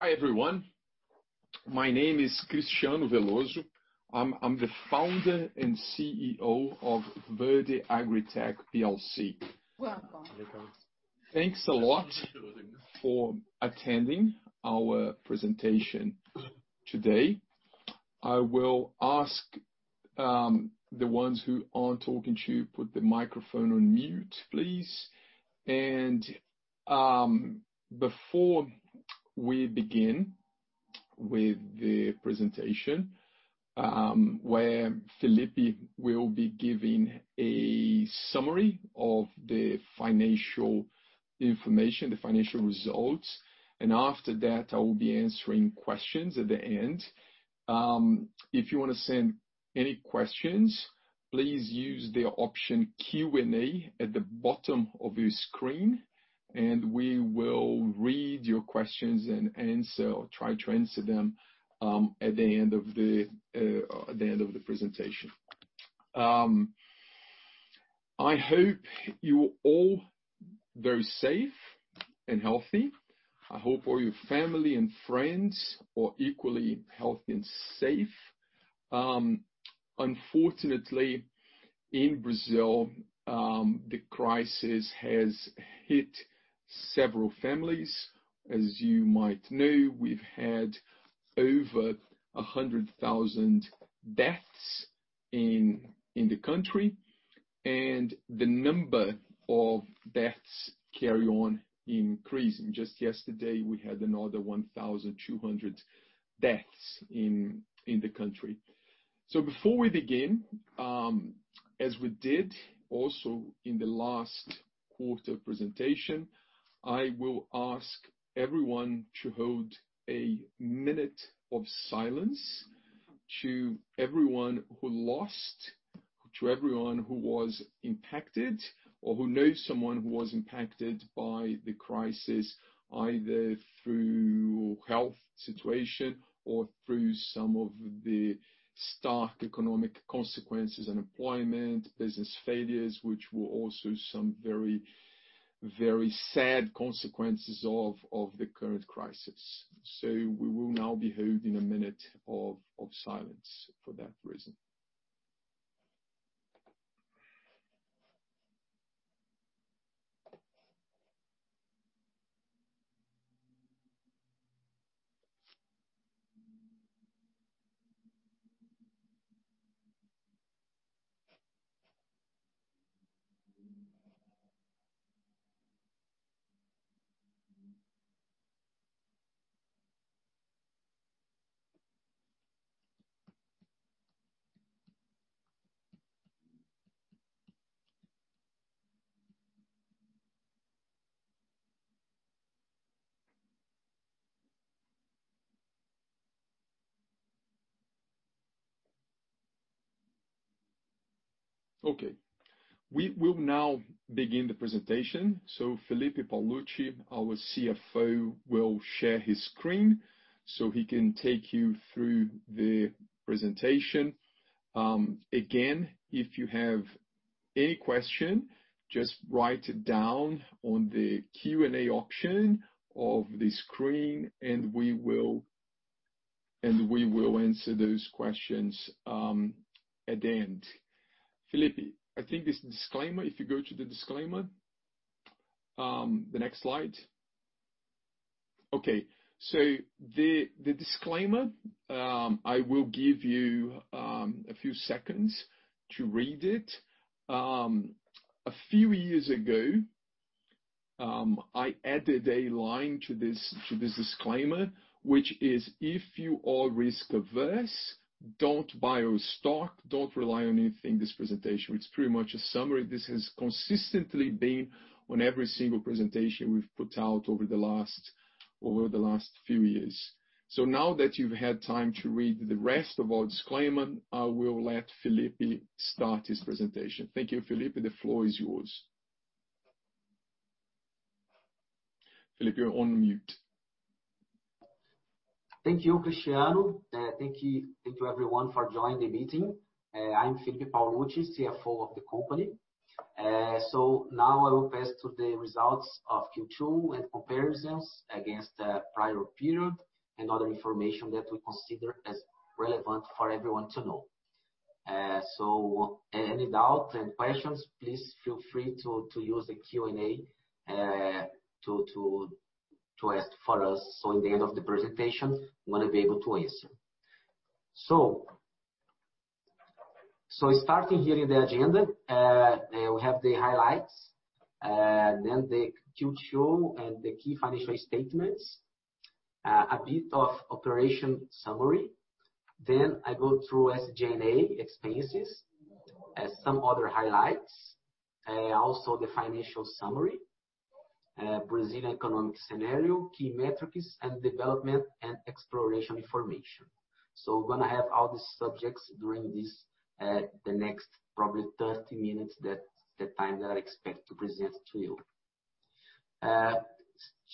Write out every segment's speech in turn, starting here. Hi everyone. My name is Cristiano Veloso. I'm the Founder and CEO of Verde AgriTech PLC. Welcome. Welcome. Thanks a lot for attending our presentation today. I will ask the ones who aren't talking to put the microphone on mute, please. Before we begin with the presentation, where Felipe will be giving a summary of the financial information, the financial results, and after that, I will be answering questions at the end. If you want to send any questions, please use the option Q&A at the bottom of your screen, and we will read your questions and answer or try to answer them at the end of the presentation. I hope you're all very safe and healthy. I hope all your family and friends are equally healthy and safe. Unfortunately, in Brazil, the crisis has hit several families. As you might know, we've had over 100,000 deaths in the country, and the number of deaths carry on increasing. Just yesterday, we had another 1,200 deaths in the country. Before we begin, as we did also in the last quarter presentation, I will ask everyone to hold a minute of silence to everyone who lost, to everyone who was impacted, or who knows someone who was impacted by the crisis, either through health situation or through some of the stark economic consequences, unemployment, business failures, which were also some very sad consequences of the current crisis. We will now be holding a minute of silence for that reason. Okay. We will now begin the presentation. Felipe Paolucci, our CFO, will share his screen so he can take you through the presentation. Again, if you have any question, just write it down on the Q&A option of the screen and we will answer those questions at the end. Felipe, I think this disclaimer, if you go to the disclaimer. The next slide. Okay. The disclaimer, I will give you a few seconds to read it. A few years ago, I added a line to this disclaimer, which is, if you are risk averse, don't buy our stock, don't rely on anything in this presentation. It's pretty much a summary. This has consistently been on every single presentation we've put out over the last few years. Now that you've had time to read the rest of our disclaimer, I will let Felipe start his presentation. Thank you, Felipe. The floor is yours. Felipe, you're on mute. Thank you, Cristiano. Thank you everyone for joining the meeting. I'm Felipe Paolucci, CFO of the company. Now I will pass to the results of Q2 and comparisons against the prior period and other information that we consider as relevant for everyone to know. Any doubt and questions, please feel free to use the Q&A to ask for us so in the end of the presentation, we want to be able to answer. Starting here in the agenda, we have the highlights, then the Q2 and the key financial statements, a bit of operation summary. I go through SG&A expenses and some other highlights. The financial summary, Brazilian economic scenario, key metrics and development and exploration information. We're going to have all these subjects during the next probably 30 minutes, the time that I expect to present to you.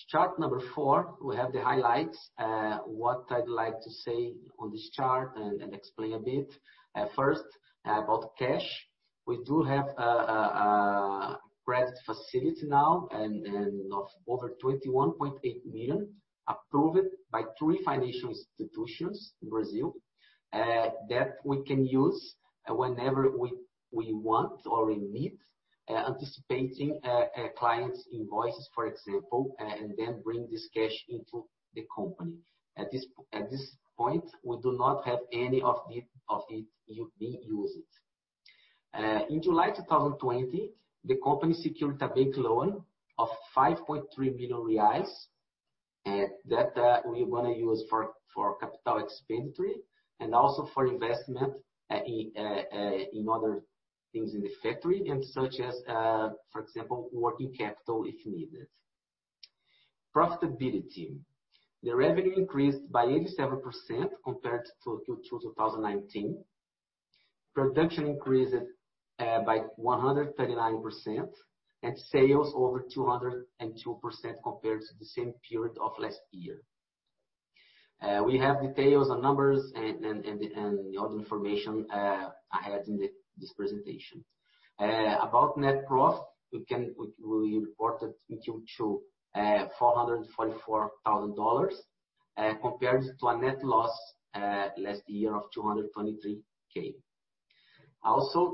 Chart number four, we have the highlights. What I’d like to say on this chart and explain a bit. First, about cash. We do have a credit facility now of over 21.8 million approved by three financial institutions in Brazil, that we can use whenever we want or we need, anticipating clients' invoices, for example, then bring this cash into the company. At this point, we do not have any of it being used. In July 2020, the company secured a bank loan of 5.3 million reais, that we want to use for CapEx and also for investment in other things in the factory such as, for example, working capital if needed. Profitability. The revenue increased by 87% compared to 2019. Production increased by 139%, sales over 202% compared to the same period of last year. We have details on numbers and the other information I had in this presentation. About net profit, we reported Q2 444,000 dollars, compared to a net loss last year of 223,000.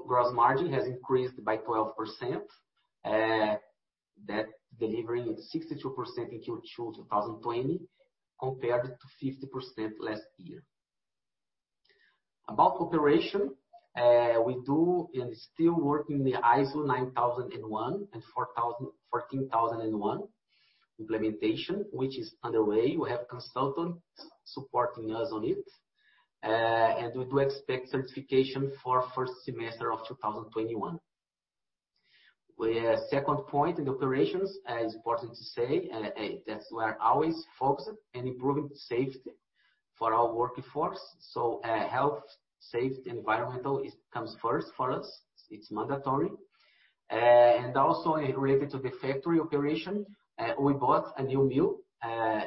Gross margin has increased by 12%, that delivering at 62% in Q2 2020 compared to 50% last year. About operation, we do and still work in the ISO 9001 and 14001 implementation, which is underway. We have consultants supporting us on it. We do expect certification for first semester of 2021. Second point in operations, it's important to say that we are always focused on improving safety for our workforce. Health, safety, environmental comes first for us. It's mandatory. Also related to the factory operation, we bought a new mill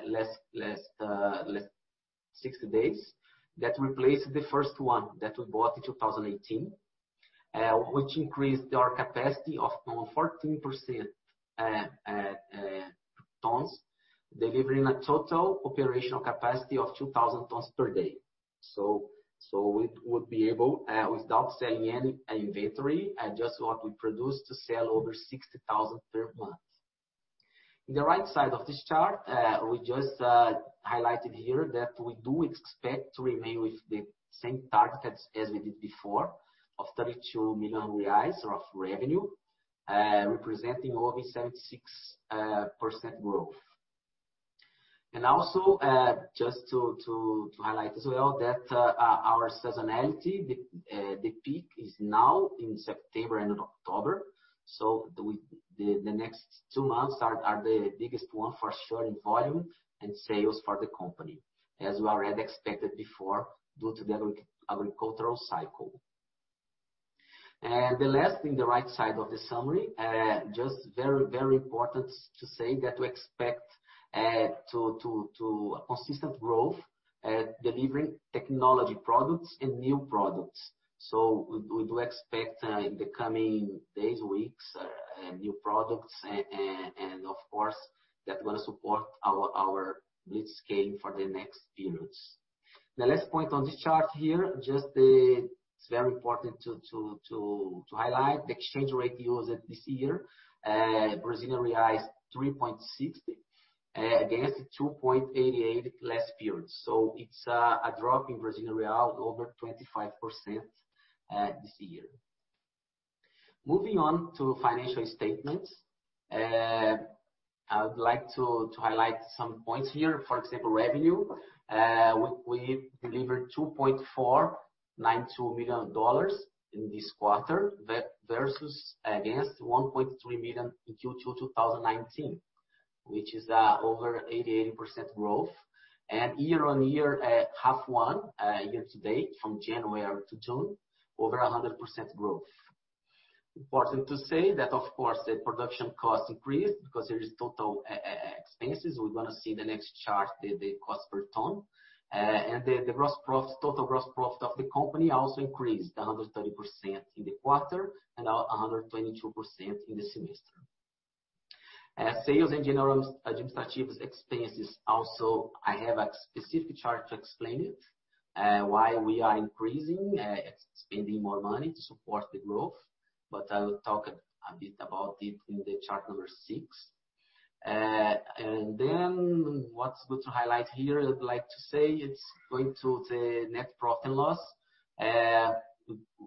last 60 days that replaced the first one that we bought in 2018, which increased our capacity of 1,000 tonnes, delivering a total operational capacity of 2,000 tonnes per day. We would be able, without selling any inventory, just what we produce to sell over 60,000 tonnes per month. In the right side of this chart, we just highlighted here that we do expect to remain with the same targets as we did before of 32 million reais of revenue, representing over 76% growth. Also, just to highlight as well that our seasonality, the peak is now in September and October. The next two months are the biggest one for sharing volume and sales for the company, as we already expected before due to the agricultural cycle. The last in the right side of the summary, just very important to say that we expect consistent growth delivering technology products and new products. We do expect in the coming days, weeks, new products and of course, that going to support our Blitzscaling for the next periods. The last point on this chart here, just it's very important to highlight the exchange rate used this year, Brazilian real is Brazilian reais 3.60 against 2.88 last period. It's a drop in Brazilian real over 25% this year. Moving on to financial statements. I would like to highlight some points here. For example, revenue. We delivered 2.492 million dollars in this quarter, versus against 1.3 million in Q2 2019, which is over 88% growth. Year-on-year half one, year-to-date from January to June, over 100% growth. Important to say that of course, the production cost increased because there is total expenses. We're going to see in the next chart the cost per ton. The total gross profit of the company also increased 130% in the quarter and 122% in the semester. Sales and general administrative expenses also, I have a specific chart to explain it, why we are increasing, spending more money to support the growth, but I will talk a bit about it in the chart number six. What's good to highlight here, I'd like to say it's going to the net profit and loss.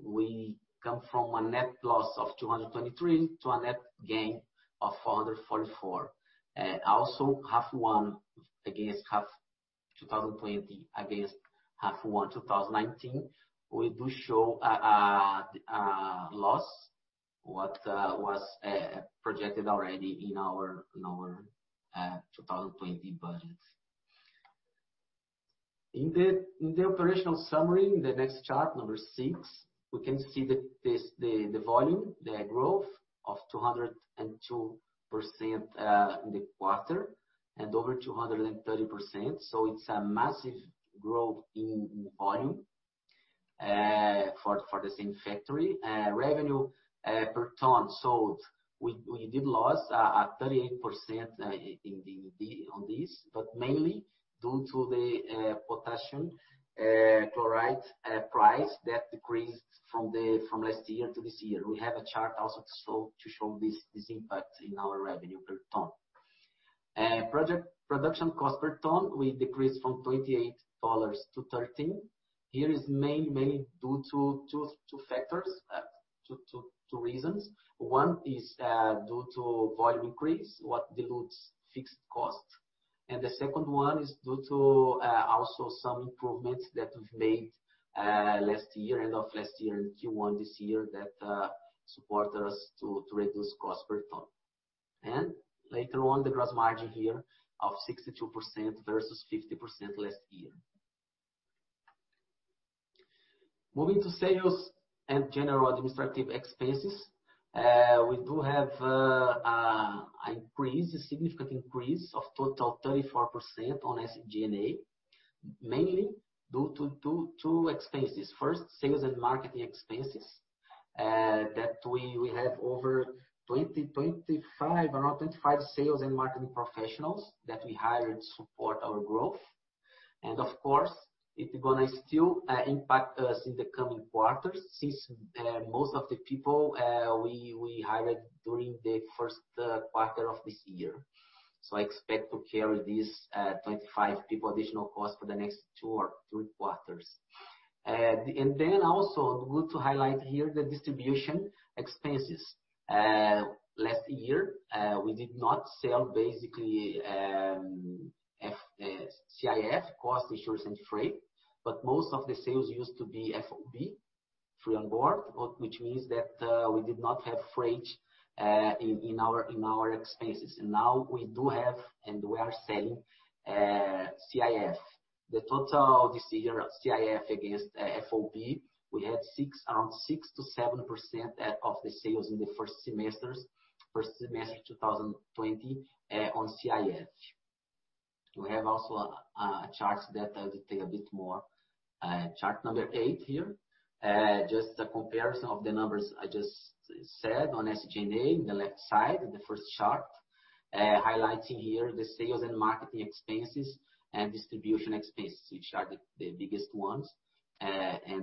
We come from a net loss of 223,000 to a net gain of 444,000. Half one against half 2020 against half one 2019, we do show a loss what was projected already in our 2020 budget. In the operational summary, in the next chart number six, we can see the volume, the growth of 202% in the quarter and over 230%. It's a massive growth in volume for the same factory. Revenue per ton sold, we did lose 38% on this, but mainly due to the potassium chloride price that decreased from last year to this year. We have a chart also to show this impact in our revenue per tonne. Production cost per tonnne, we decreased from 28 dollars to 13. Here is mainly due to two factors, two reasons. One is due to volume increase, what dilutes fixed cost. The second one is due to also some improvements that we've made end of last year in Q1 this year that support us to reduce cost per ton. Later on, the gross margin here of 62% versus 50% last year. Moving to sales and general administrative expenses. We do have a significant increase of total 34% on SG&A, mainly due to two expenses. First, sales and marketing expenses that we have over around 25 sales and marketing professionals that we hired to support our growth. Of course, it's going to still impact us in the coming quarters since most of the people we hired during the first quarter of this year. I expect to carry these 25 people additional cost for the next two or three quarters. Also good to highlight here the distribution expenses. Last year, we did not sell basically, CIF, cost, insurance, and freight, but most of the sales used to be FOB, free on board, which means that we did not have freight in our expenses. Now we do have, and we are selling CIF. The total this year of CIF against FOB, we had around 6%-7% of the sales in the first semester 2020 on CIF. We have also a chart that will detail a bit more. Chart number eight here. Just a comparison of the numbers I just said on SG&A on the left side, the first chart. Highlighting here the sales and marketing expenses and distribution expenses, which are the biggest ones.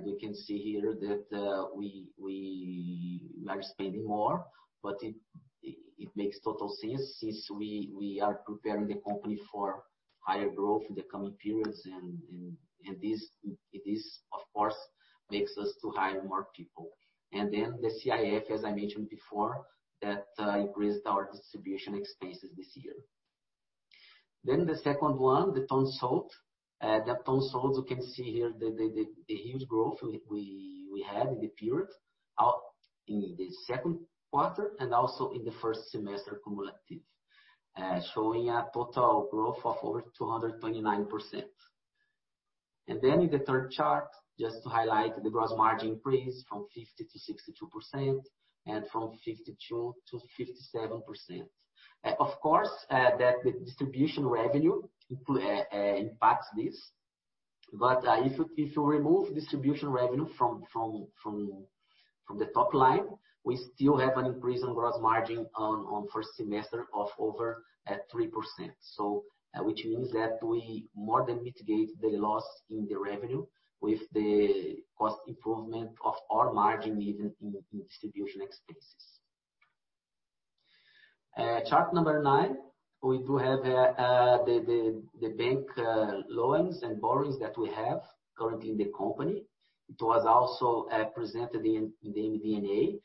We can see here that we are spending more, but it makes total sense since we are preparing the company for higher growth in the coming periods and this, of course, makes us to hire more people. The CIF, as I mentioned before, that increased our distribution expenses this year. The second one, the tonnes sold. The tonnes sold, you can see here the huge growth we had in the period in the second quarter and also in the first semester cumulative, showing a total growth of over 229%. In the third chart, just to highlight the gross margin increase from 50% to 62%, and from 52% to 57%. Of course, the distribution revenue impacts this, but if you remove distribution revenue from the top line, we still have an increase in gross margin on first semester of over 3%. Which means that we more than mitigate the loss in the revenue with the cost improvement of our margin, even in distribution expenses. Chart number nine, we do have the bank loans and borrowings that we have currently in the company. It was also presented in the MD&A,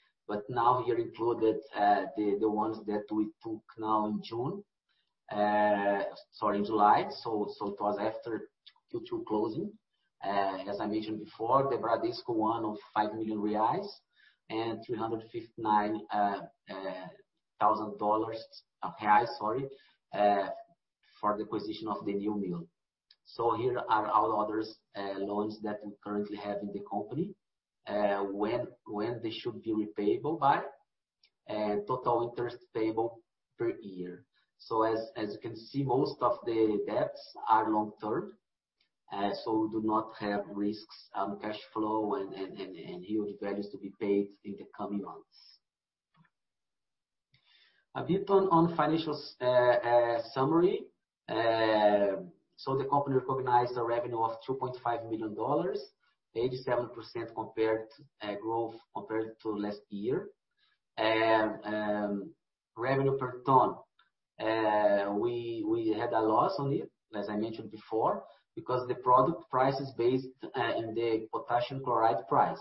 now here included the ones that we took now in June, sorry, in July. It was after Q2 closing. As I mentioned before, the Banco Bradesco one of 5 million reais and BRL 359,000, sorry, for the acquisition of the new mill. Here are all other loans that we currently have in the company, when they should be repayable by, and total interest payable per year. As you can see, most of the debts are long-term, so we do not have risks on cash flow and huge values to be paid in the coming months. Financial summary. The company recognized a revenue of 2.5 million dollars, 87% growth compared to last year. Revenue per tonne. We had a loss on it, as I mentioned before, because the product price is based in the potassium chloride price.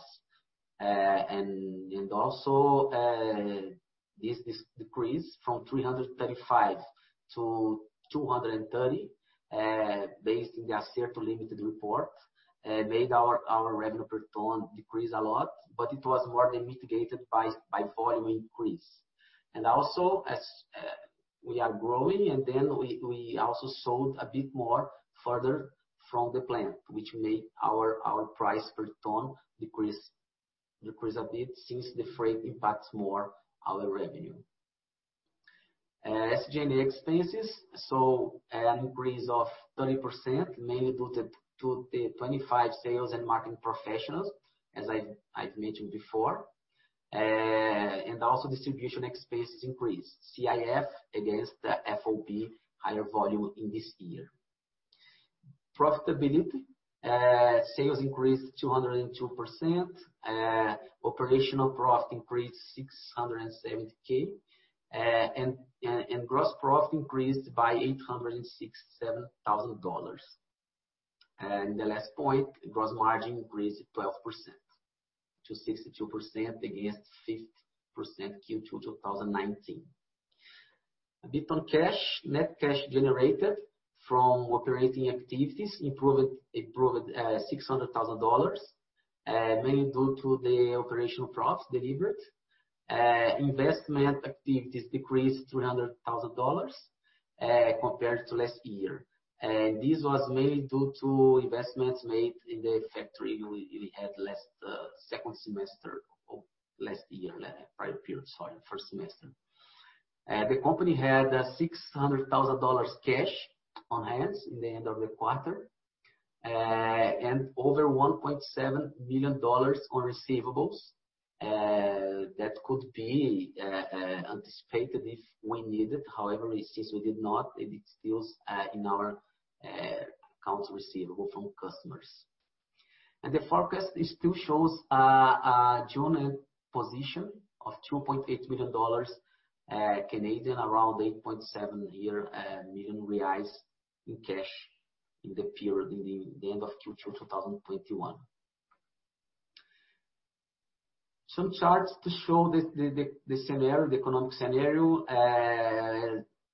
This decrease from 335 to 230, based in the Acerto Limited Report, made our revenue per tonne decrease a lot, but it was more than mitigated by volume increase. We are growing and then we also sold a bit more further from the plant, which made our price per tonne decrease a bit, since the freight impacts more our revenue. SG&A expenses, an increase of 30%, mainly due to the 25 sales and marketing professionals, as I've mentioned before. Distribution expenses increased. CIF against the FOB, higher volume in this year. Profitability, sales increased 202%, operational profit increased 670,000, and gross profit increased by 867,000 dollars. The last point, gross margin increased 12% to 62% against 50% Q2 2019. EBITDA and cash. Net cash generated from operating activities improved 600,000 dollars, mainly due to the operational profits delivered. Investment activities decreased 300,000 dollars compared to last year. This was mainly due to investments made in the factory we had last second semester of last year. Prior period, sorry, first semester. The company had 600,000 dollars cash on hand in the end of the quarter, and over 1.7 million dollars on receivables that could be anticipated if we need it. Since we did not, it is still in our accounts receivable from customers. The forecast still shows a June end position of 2.8 million Canadian dollars, around 8.7 million reais in cash in the period, in the end of Q2 2021. Some charts to show the economic scenario.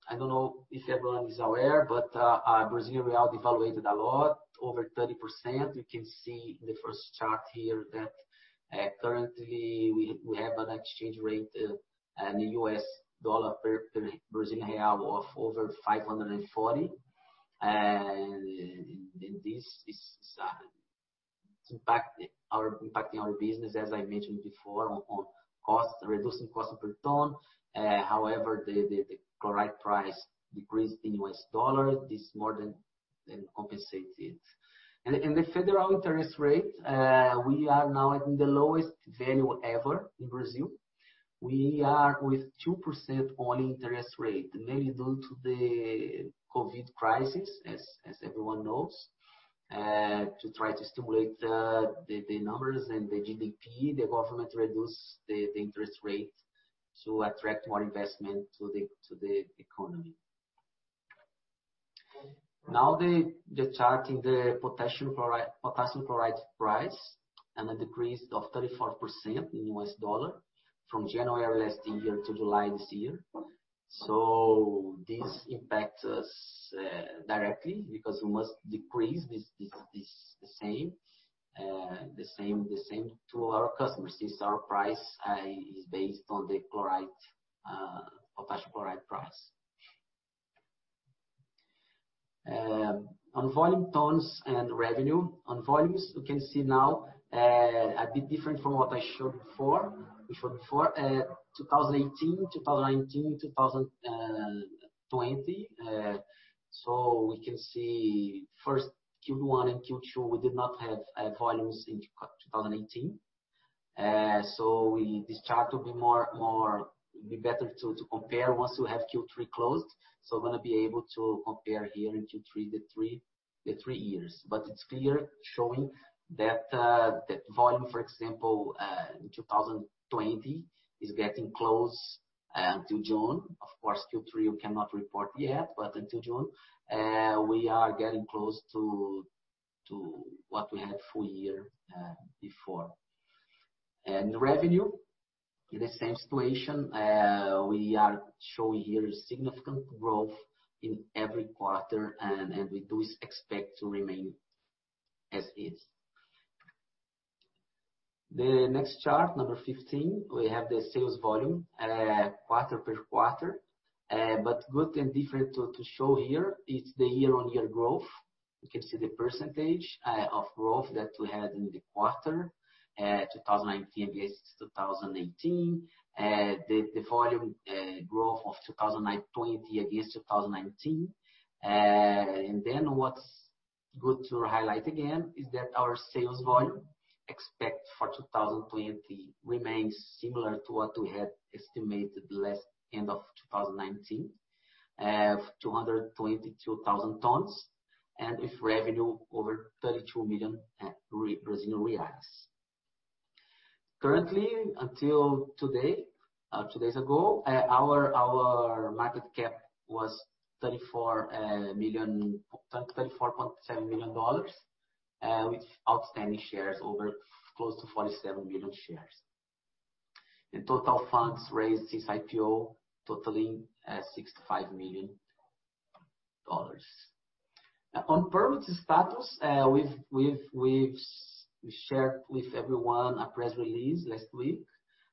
I don't know if everyone is aware, but Brazilian real devaluated a lot, over 30%. You can see in the first chart here that currently we have an exchange rate and U.S. dollar per Brazilian real of over 5.40, and this is impacting our business, as I mentioned before on reducing cost per ton. However, the chloride price decreased in U.S. dollar, this more than compensated. The federal interest rate, we are now in the lowest value ever in Brazil. We are with 2% on interest rate, mainly due to the COVID crisis, as everyone knows, to try to stimulate the numbers and the GDP. The government reduced the interest rate to attract more investment to the economy. Now the chart in the potassium chloride price and a decrease of 34% in U.S. dollar from January last year to July this year. This impacts us directly because we must decrease the same to our customers since our price is based on the potassium chloride price. On volume tonnes and revenue. On volumes, you can see now a bit different from what I showed before, 2018, 2019, 2020. We can see first Q1 and Q2, we did not have volumes in 2018. This chart will be more, it would be better to compare once we have Q3 closed. We are going to be able to compare here in Q3 the three years. It is clear showing that volume, for example, in 2020 is getting close until June. Of course, Q3 we cannot report yet, but until June, we are getting close to what we had full year before. Revenue, in the same situation. We are showing here significant growth in every quarter, and we do expect to remain as is. The next chart, number 15, we have the sales volume, quarter-over-quarter. Good and different to show here is the year-on-year growth. You can see the percentage of growth that we had in the quarter, 2019 against 2018. The volume growth of 2020 against 2019. What's good to highlight again is that our sales volume expect for 2020 remains similar to what we had estimated last end of 2019, of 222,000 tonnes and with revenue over 32 million Brazilian reais. Currently, until today, two days ago, our market cap was 34.7 million dollars, with outstanding shares over close to 47 million shares. In total funds raised since IPO totaling CAD 65 million. On priority status, we've shared with everyone a press release last week,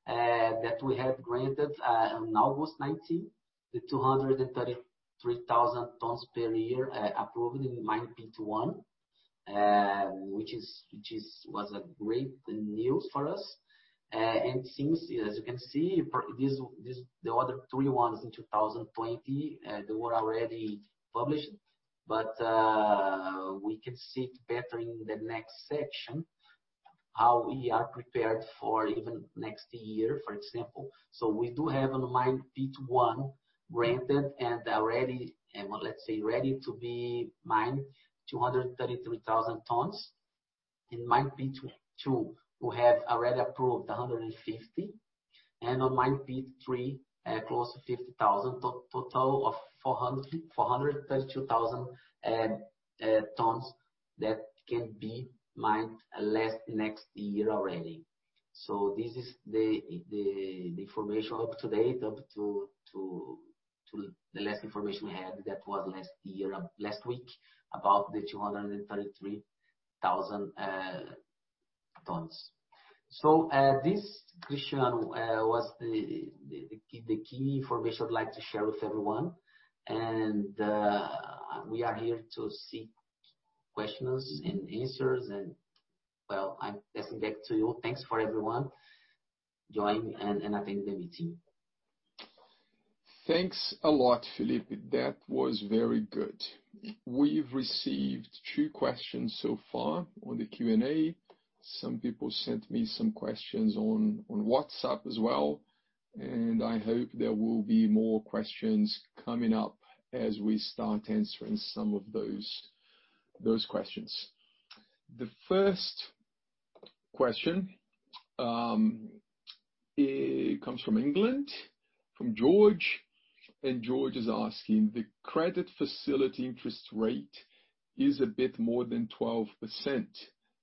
that we have granted on August 19, the 233,000 tonnes per year approved in Mine Pit 1, which was great news for us. Since, as you can see, the other three ones in 2020, they were already published. We can see it better in the next section, how we are prepared for even next year, for example. We do have on Mine Pit 1 granted and already, let's say, ready to be mined 233,000 tonnes. In Mine Pit 2, we have already approved 150,000 tonnes and on Mine Pit 3, close to 50,000 tonnes. Total of 432,000 tonnes that can be mined next year already. This is the information up to date, up to the last information we had that was last week, about the 233,000 tonnes. This, Cristiano, was the key information I'd like to share with everyone. We are here to seek questions and answers and, well, I'm passing back to you. Thanks for everyone joining and attending the meeting. Thanks a lot, Felipe. That was very good. We've received two questions so far on the Q&A. Some people sent me some questions on WhatsApp as well. I hope there will be more questions coming up as we start answering some of those questions. The first question comes from England, from George. George is asking, the credit facility interest rate is a bit more than 12%,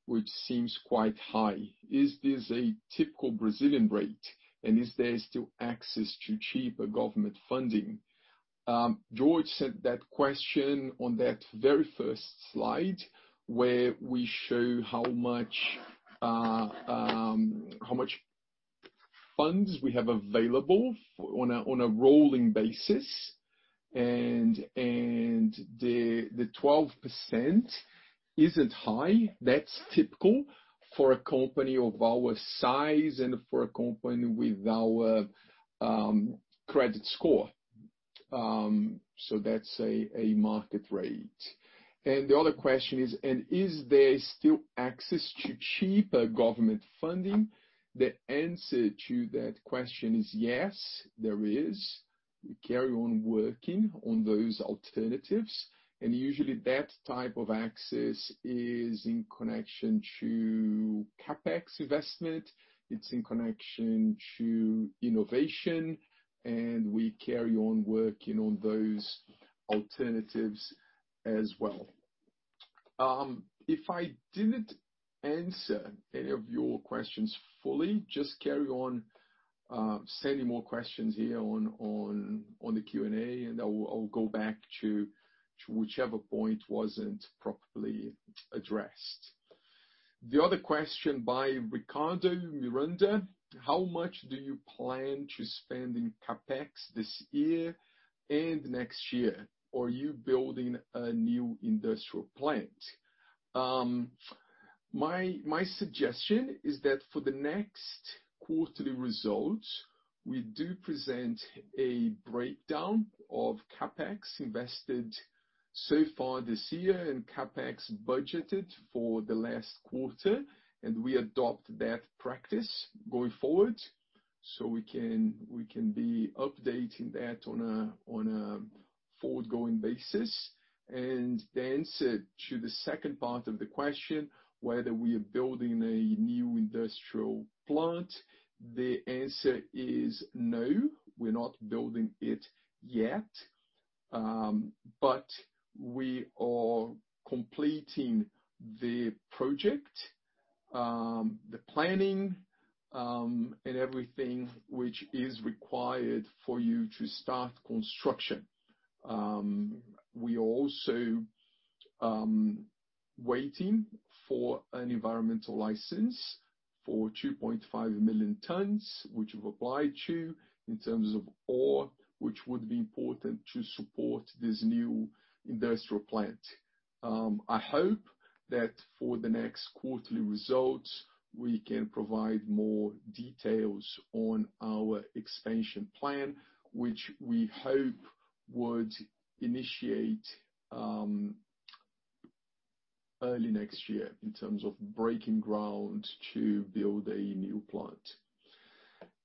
which seems quite high. Is this a typical Brazilian rate? Is there still access to cheaper government funding? George sent that question on that very first slide where we show how much funds we have available on a rolling basis. The 12% isn't high. That's typical for a company of our size and for a company with our credit score. That's a market rate. The other question is, is there still access to cheaper government funding? The answer to that question is yes, there is. We carry on working on those alternatives. Usually that type of access is in connection to CapEx investment. It's in connection to innovation, and we carry on working on those alternatives as well. If I didn't answer any of your questions fully, just carry on sending more questions here on the Q&A, and I'll go back to whichever point wasn't properly addressed. The other question by Ricardo Miranda: how much do you plan to spend in CapEx this year and next year? Are you building a new industrial plant? My suggestion is that for the next quarterly results, we do present a breakdown of CapEx invested so far this year and CapEx budgeted for the last quarter, and we adopt that practice going forward, so we can be updating that on a forward-going basis. The answer to the second part of the question, whether we are building a new industrial plant, the answer is no. We're not building it yet. We are completing the project, the planning, and everything which is required for you to start construction. We're also waiting for an environmental license for 2.5 million tonnes, which we've applied to in terms of ore, which would be important to support this new industrial plant. I hope that for the next quarterly results, we can provide more details on our expansion plan, which we hope would initiate early next year in terms of breaking ground to build a new plant.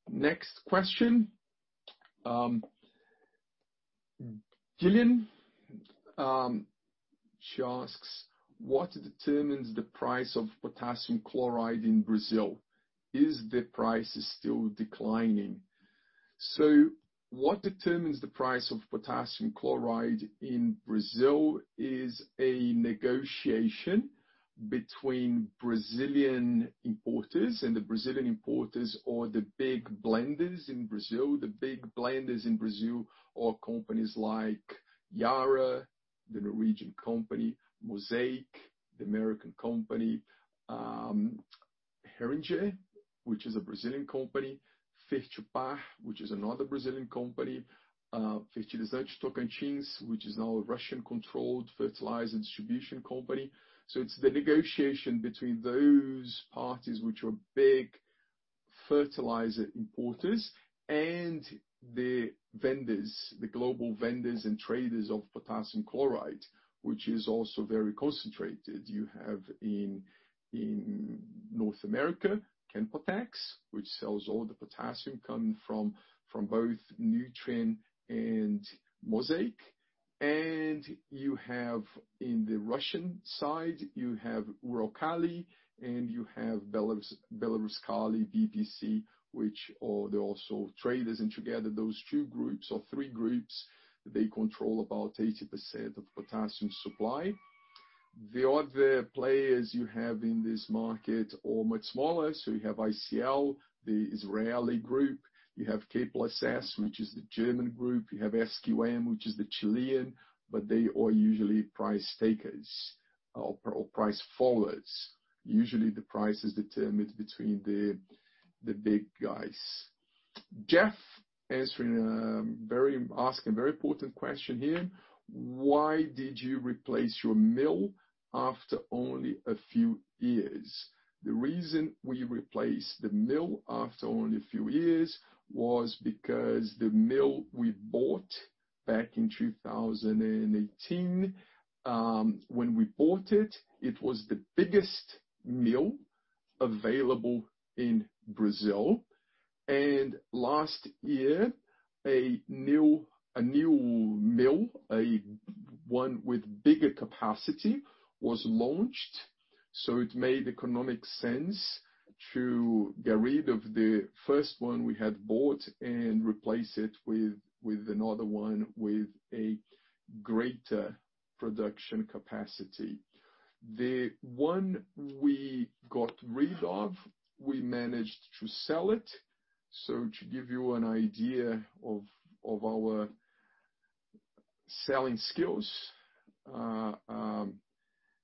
Next question. Jillian. She asks, what determines the price of potassium chloride in Brazil? Is the price still declining? What determines the price of potassium chloride in Brazil is a negotiation between Brazilian importers. The Brazilian importers are the big blenders in Brazil. The big blenders in Brazil are companies like Yara, the Norwegian company, Mosaic, the American company, Heringer, which is a Brazilian company, Fertipar, which is another Brazilian company. Fertilizantes Tocantins, which is now a Russian-controlled fertilizer distribution company. It's the negotiation between those parties, which are big fertilizer importers and the vendors, the global vendors and traders of potassium chloride, which is also very concentrated. You have in North America, Canpotex, which sells all the potassium coming from both Nutrien and Mosaic. You have, in the Russian side, you have Uralkali and you have Belaruskali, BPC, which they're also traders. Together, those two groups or three groups, they control about 80% of potassium supply. The other players you have in this market are much smaller. You have ICL, the Israeli group, you have K+S, which is the German group, you have SQM, which is the Chilean, but they are usually price takers or price followers. Usually, the price is determined between the big guys. Jeff asking a very important question here. Why did you replace your mill after only a few years? The reason we replaced the mill after only a few years was because the mill we bought back in 2018, when we bought it was the biggest mill available in Brazil. Last year, a new mill, one with bigger capacity was launched. It made economic sense to get rid of the first one we had bought and replace it with another one with a greater production capacity. The one we got rid of, we managed to sell it. To give you an idea of our selling skills,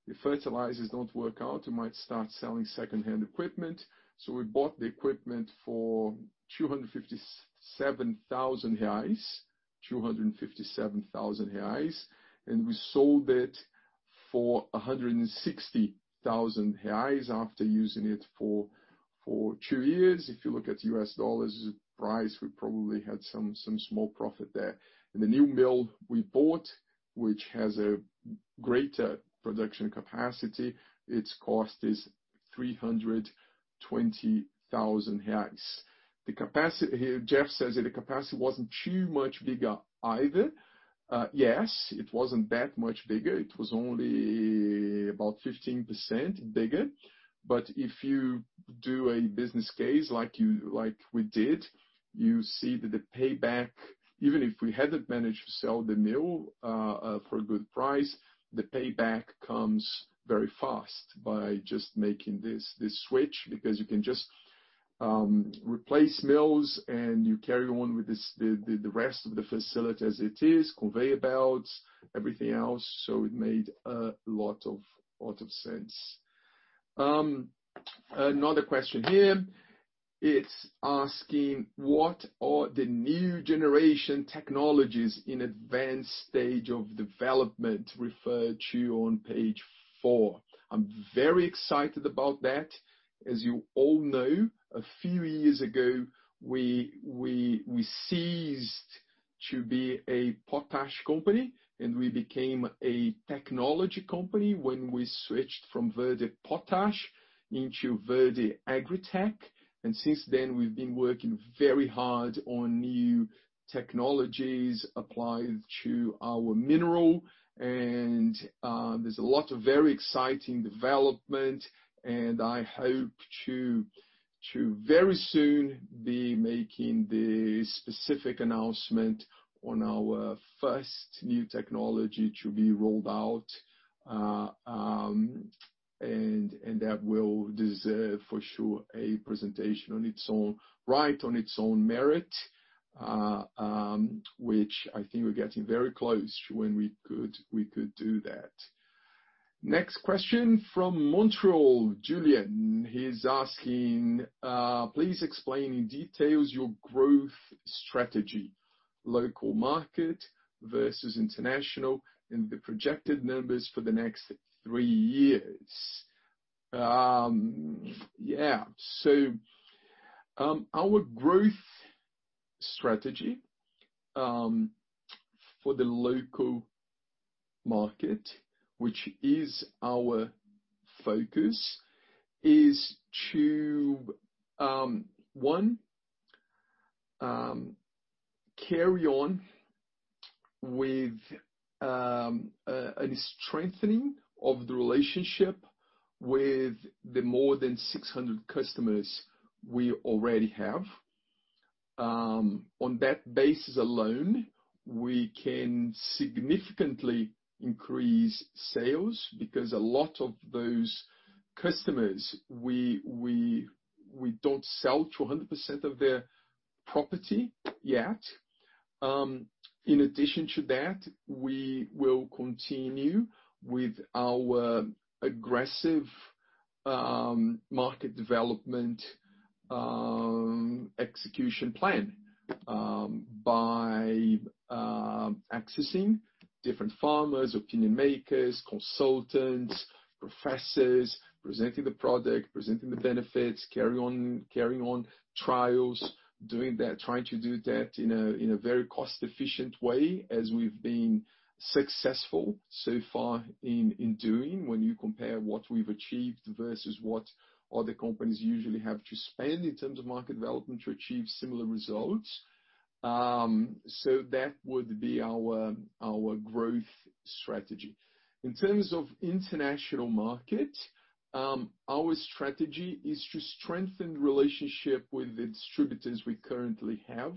if fertilizers don't work out, we might start selling second-hand equipment. We bought the equipment for 257,000 reais, and we sold it for 160,000 reais after using it for two years. If you look at U.S dollars price, we probably had some small profit there. The new mill we bought, which has a greater production capacity, its cost is 320,000 reais. Jeff says that, the capacity wasn't too much bigger either. Yes, it wasn't that much bigger. It was only about 15% bigger. If you do a business case like we did, you see that the payback, even if we hadn't managed to sell the mill for a good price, the payback comes very fast by just making this switch because you can just replace mills and you carry on with the rest of the facility as it is, conveyor belts, everything else, so it made a lot of sense. Another question here. It's asking, what are the new generation technologies in advanced stage of development referred to on page four? I'm very excited about that. As you all know, a few years ago, we ceased to be a potash company and we became a technology company when we switched from Verde Potash into Verde AgriTech. Since then, we've been working very hard on new technologies applied to our mineral. There's a lot of very exciting development, and I hope to very soon be making the specific announcement on our first new technology to be rolled out, and that will deserve for sure a presentation on its own right, on its own merit, which I think we're getting very close to when we could do that. Next question from Montreal, Julien. He's asking, please explain in details your growth strategy, local market versus international and the projected numbers for the next three years. Yeah. Our growth strategy for the local market, which is our focus, is to, one, carry on with a strengthening of the relationship with the more than 600 customers we already have. On that basis alone, we can significantly increase sales because a lot of those customers, we don't sell to 100% of their property yet. In addition to that, we will continue with our aggressive market development execution plan by accessing different farmers, opinion makers, consultants, professors, presenting the product, presenting the benefits, carrying on trials, doing that, trying to do that in a very cost-efficient way as we've been successful so far in doing when you compare what we've achieved versus what other companies usually have to spend in terms of market development to achieve similar results. That would be our growth strategy. In terms of international market, our strategy is to strengthen relationship with the distributors we currently have,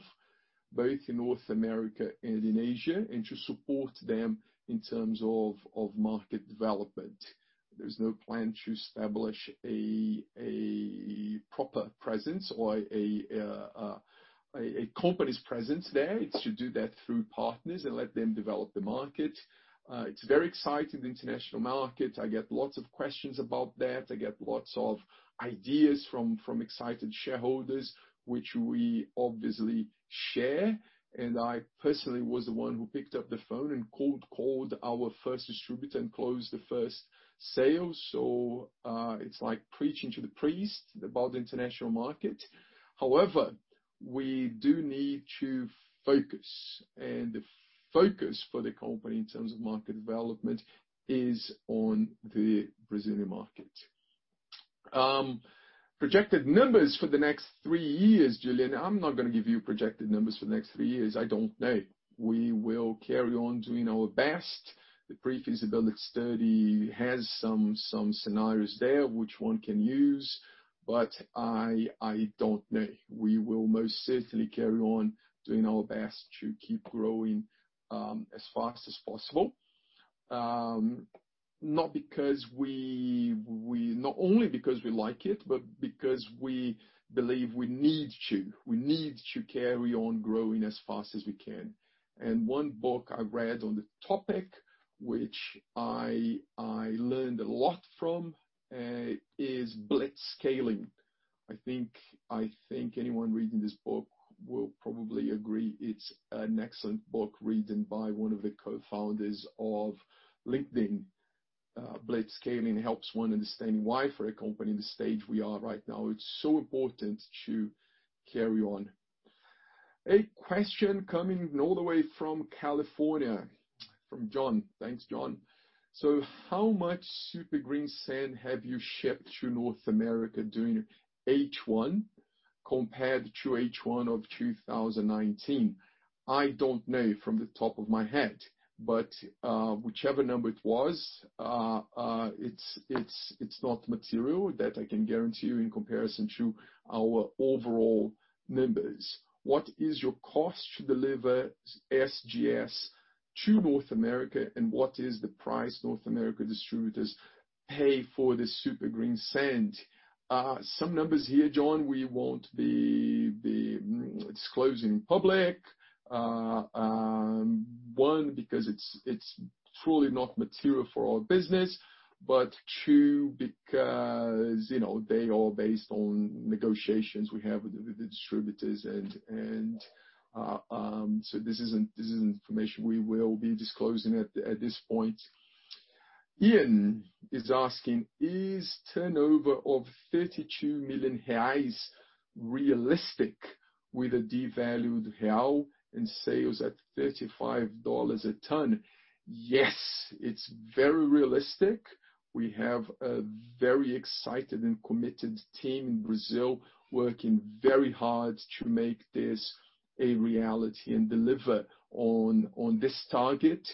both in North America and in Asia, and to support them in terms of market development. There's no plan to establish a proper presence or a company's presence there. It's to do that through partners and let them develop the market. It's very exciting, the international market. I get lots of questions about that. I get lots of ideas from excited shareholders, which we obviously share, and I personally was the one who picked up the phone and cold called our first distributor and closed the first sale. It's like preaching to the priest about the international market. However, we do need to focus, and the focus for the company in terms of market development is on the Brazilian market. Projected numbers for the next three years, Julien. I'm not going to give you projected numbers for the next three years. I don't know. We will carry on doing our best. The pre-feasibility study has some scenarios there which one can use, but I don't know. We will most certainly carry on doing our best to keep growing as fast as possible. Not only because we like it, but because we believe we need to. We need to carry on growing as fast as we can. One book I read on the topic, which I learned a lot from, is Blitzscaling. I think anyone reading this book will probably agree it's an excellent book written by one of the co-founders of LinkedIn. Blitzscaling helps one understand why for a company in the stage we are right now, it's so important to carry on. A question coming all the way from California, from John. Thanks, John. How much Super Greensand have you shipped to North America during H1 compared to H1 of 2019? I don't know from the top of my head, whichever number it was, it's not material that I can guarantee you in comparison to our overall numbers. What is your cost to deliver SGS to North America, what is the price North America distributors pay for the Super Greensand? Some numbers here, John, we won't be disclosing public. One, because it's truly not material for our business, two, because they are based on negotiations we have with the distributors. This is information we will be disclosing at this point. Ian is asking, is turnover of 32 million reais realistic with a devalued real and sales at 35 dollars a tonne? Yes, it's very realistic. We have a very excited and committed team in Brazil working very hard to make this a reality and deliver on this target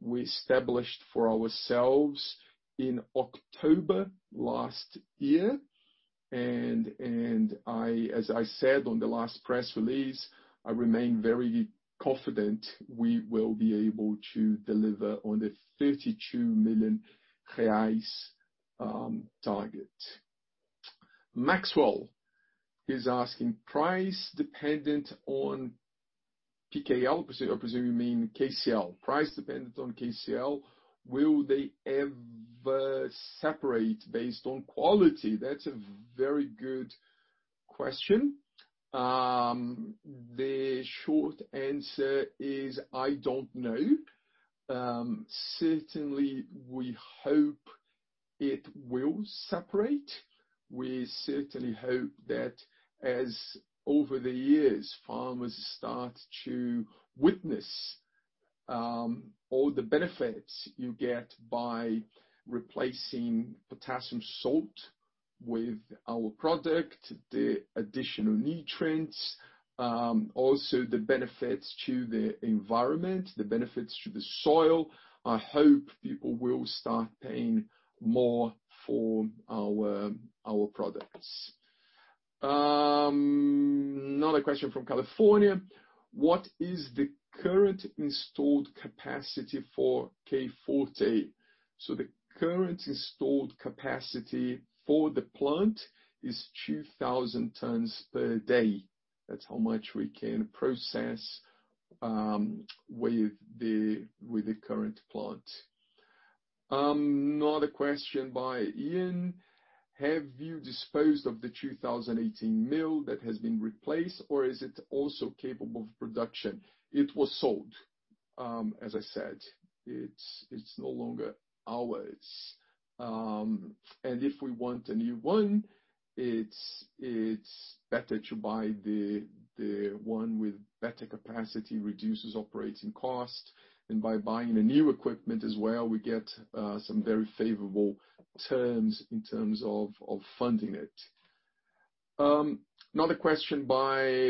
we established for ourselves in October last year. As I said on the last press release, I remain very confident we will be able to deliver on the BRL 32 million target. Maxwell is asking, price dependent on KCl, I presume you mean KCl. Price dependent on KCl, will they ever separate based on quality? That's a very good question. The short answer is I don't know. Certainly, we hope it will separate. We certainly hope that as over the years, farmers start to witness all the benefits you get by replacing potassium salt with our product, the additional nutrients, also the benefits to the environment, the benefits to the soil. I hope people will start paying more for our products. Question from California: what is the current installed capacity for K Forte? The current installed capacity for the plant is 2,000 tonnes per day. That's how much we can process with the current plant. Question by Ian: have you disposed of the 2018 mill that has been replaced, or is it also capable of production? It was sold. As I said, it's no longer ours. If we want a new one, it's better to buy the one with better capacity, reduces operating cost, and by buying the new equipment as well, we get some very favorable terms in terms of funding it. Question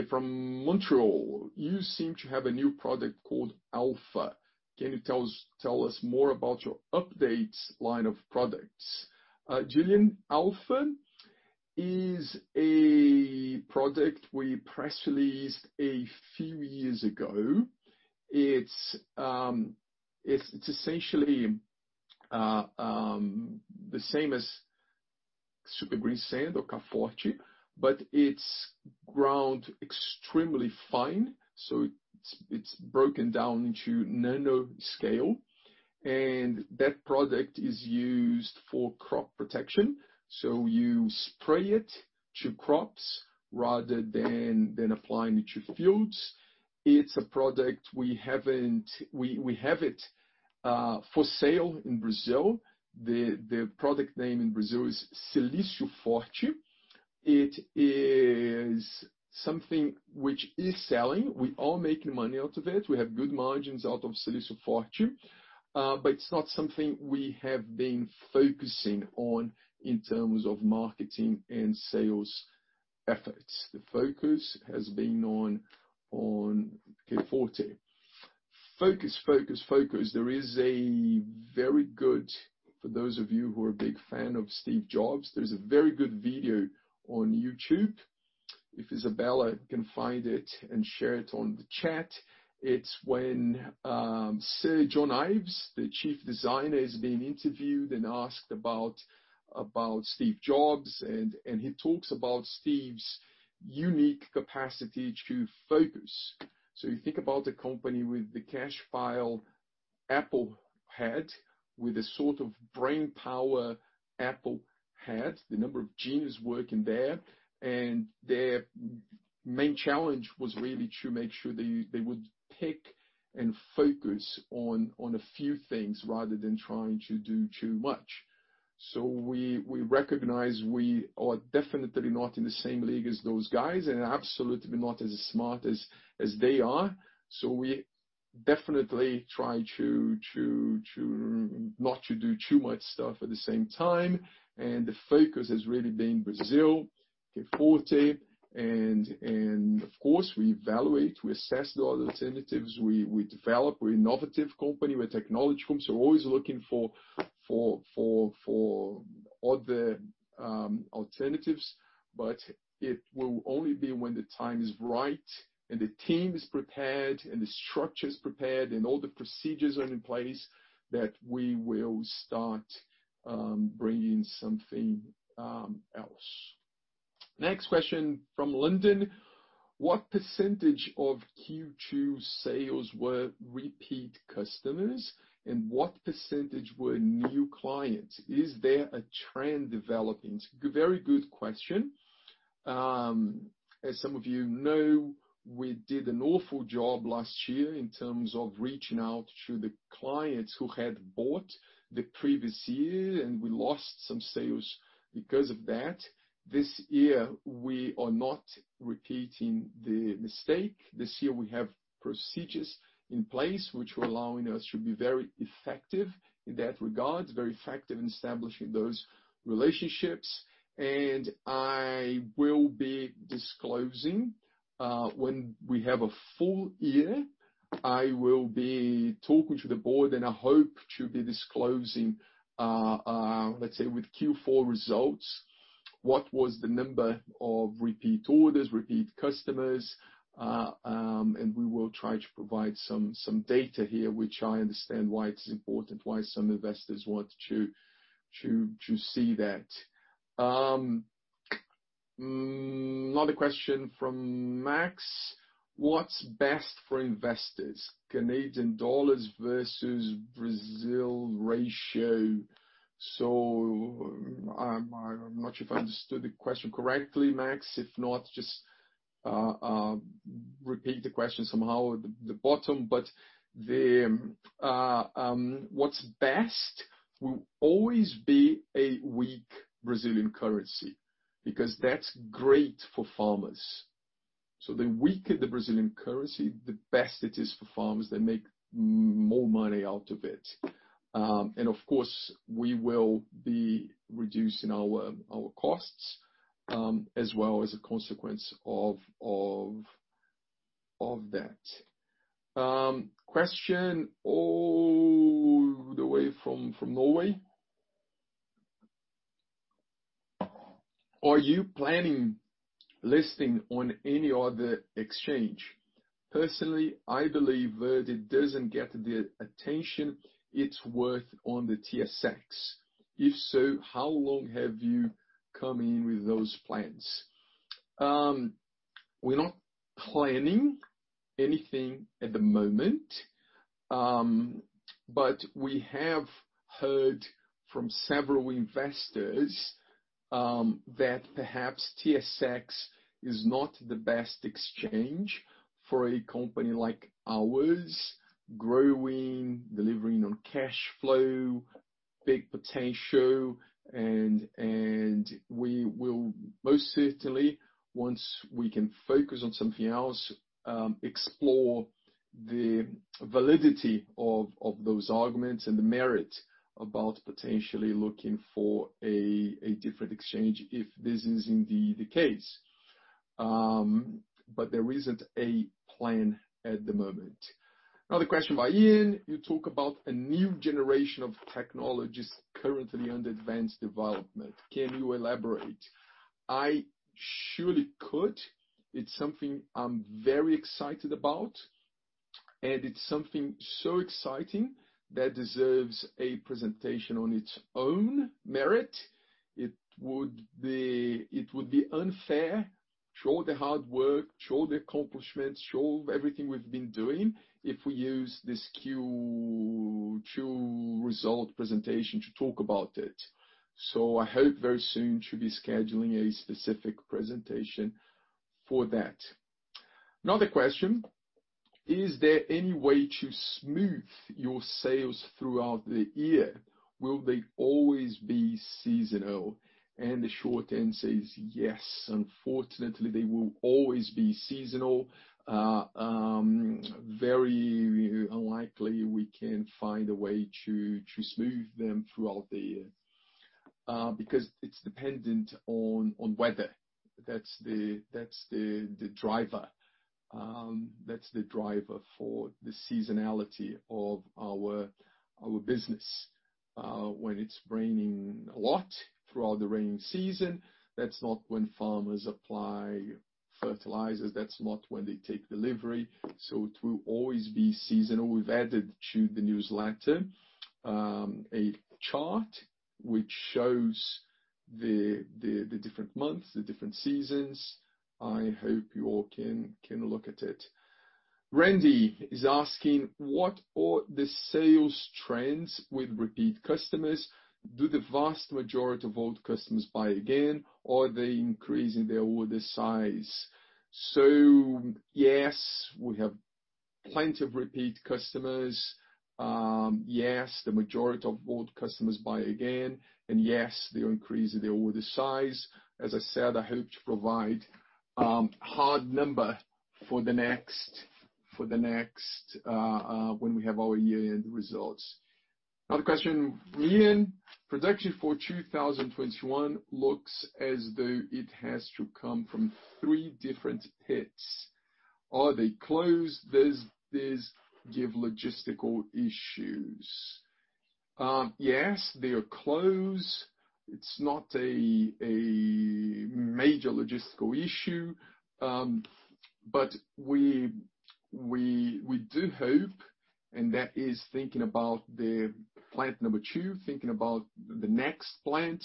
from Montreal: you seem to have a new product called Alpha. Can you tell us more about your updates line of products? Julian, Alpha is a product we press released a few years ago. It's essentially the same as Super Greensand or K Forte, but it's ground extremely fine, so it's broken down into nano scale. That product is used for crop protection. You spray it to crops rather than applying it to fields. It's a product, we have it for sale in Brazil. The product name in Brazil is Silicio Forte. It is something which is selling. We are making money out of it. We have good margins out of Silicio Forte. It's not something we have been focusing on in terms of marketing and sales efforts. The focus has been on K Forte. Focus, focus. For those of you who are a big fan of Steve Jobs, there's a very good video on YouTube. If Isabella can find it and share it on the chat, it's when Sir Jony Ive, the Chief Designer, is being interviewed and asked about Steve Jobs and he talks about Steve's unique capacity to focus. You think about a company with the cash pile Apple had, with the sort of brainpower Apple had, the number of geniuses working there, and their main challenge was really to make sure they would pick and focus on a few things rather than trying to do too much. We recognize we are definitely not in the same league as those guys and absolutely not as smart as they are. We definitely try not to do too much stuff at the same time, and the focus has really been Brazil, K Forte, and of course, we evaluate, we assess the other alternatives, we develop, we're an innovative company, we're a technology firm, we're always looking for other alternatives, but it will only be when the time is right and the team is prepared, and the structure is prepared, and all the procedures are in place that we will start bringing something else. Next question from London: what percentage of Q2 sales were repeat customers, and what percentage were new clients? Is there a trend developing? Very good question. As some of you know, we did an awful job last year in terms of reaching out to the clients who had bought the previous year, and we lost some sales because of that. This year, we are not repeating the mistake. This year, we have procedures in place which were allowing us to be very effective in that regard, very effective in establishing those relationships, and I will be disclosing, when we have a full year, I will be talking to the board, and I hope to be disclosing, let's say, with Q4 results, what was the number of repeat orders, repeat customers, and we will try to provide some data here, which I understand why it's important, why some investors want to see that. Another question from Max: what's best for investors? Canadian dollars versus Brazil ratio. I'm not sure if I understood the question correctly, Max. If not, just repeat the question somehow at the bottom. What's best will always be a weak Brazilian currency, because that's great for farmers. The weaker the Brazilian currency, the best it is for farmers. They make more money out of it. Of course, we will be reducing our costs, as well as a consequence of that. Question all the way from Norway. Are you planning listing on any other exchange? Personally, I believe Verde doesn't get the attention it's worth on the TSX. If so, how long have you come in with those plans? We're not planning anything at the moment. We have heard from several investors, that perhaps TSX is not the best exchange for a company like ours, growing, delivering on cash flow, big potential and we will most certainly, once we can focus on something else, explore the validity of those arguments and the merit about potentially looking for a different exchange if this is indeed the case. There isn't a plan at the moment. Another question by Ian. You talk about a new generation of technologies currently under advanced development. Can you elaborate? I surely could. It's something I'm very excited about, and it's something so exciting that deserves a presentation on its own merit. It would be unfair to show the hard work, show the accomplishments, show everything we've been doing if we use this Q2 result presentation to talk about it. I hope very soon to be scheduling a specific presentation for that. Another question. Is there any way to smooth your sales throughout the year? Will they always be seasonal? The short answer is yes. Unfortunately, they will always be seasonal. Very unlikely we can find a way to smooth them throughout the year, because it's dependent on weather. That's the driver for the seasonality of our business. When it's raining a lot throughout the rainy season, that's not when farmers apply fertilizers. That's not when they take delivery. It will always be seasonal. We've added to the newsletter, a chart which shows the different months, the different seasons. I hope you all can look at it. Randy is asking, what are the sales trends with repeat customers? Do the vast majority of old customers buy again, or are they increasing their order size? Yes, we have plenty of repeat customers. Yes, the majority of old customers buy again. Yes, they increase their order size. As I said, I hope to provide hard number for the next, when we have our year-end results. Another question from Ian. Production for 2021 looks as though it has to come from three different pits. Are they close? Does this give logistical issues? Yes, they are close. It's not a major logistical issue. We do hope, and that is thinking about the plant number two, thinking about the next plant.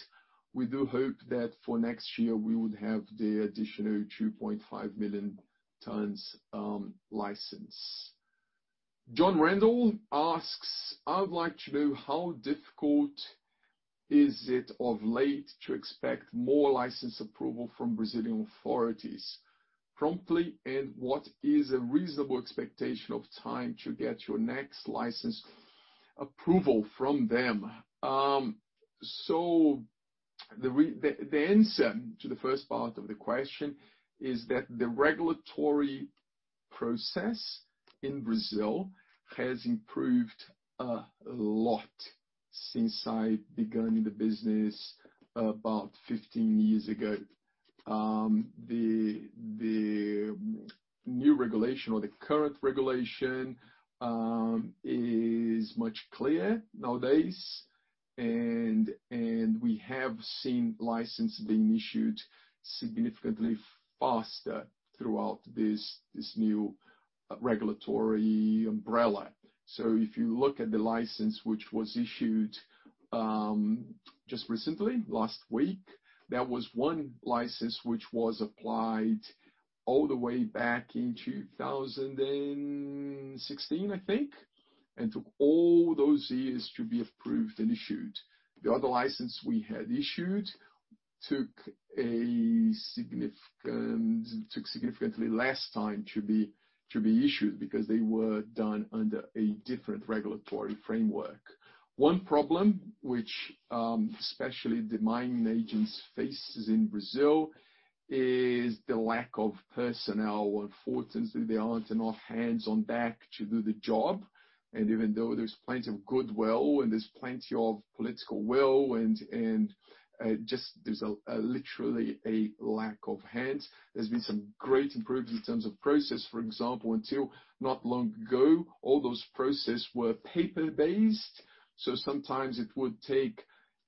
We do hope that for next year, we would have the additional 2.5 million tonnes license. John Randall asks, I would like to know how difficult is it of late to expect more license approval from Brazilian authorities promptly, and what is a reasonable expectation of time to get your next license approval from them? The answer to the first part of the question is that the regulatory process in Brazil has improved a lot since I began in the business about 15 years ago. The new regulation or the current regulation, is much clearer nowadays. We have seen license being issued significantly faster throughout this new regulatory umbrella. If you look at the license which was issued just recently, last week, that was one license which was applied all the way back in 2016, I think. Took all those years to be approved and issued. The other license we had issued took significantly less time to be issued because they were done under a different regulatory framework. One problem which especially the mining agents faces in Brazil is the lack of personnel. Unfortunately, there aren't enough hands on deck to do the job. Even though there's plenty of goodwill and there's plenty of political will, and just there's literally a lack of hands. There's been some great improvements in terms of process. For example, until not long ago, all those processes were paper-based. Sometimes it would take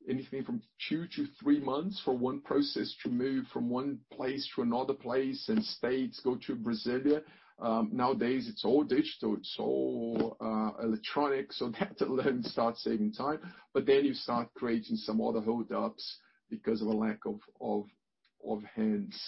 anything from two to three months for one process to move from one place to another place, and states go to Brasília. Nowadays, it's all digital, it's all electronic. That alone starts saving time. You start creating some other hold-ups because of a lack of hands.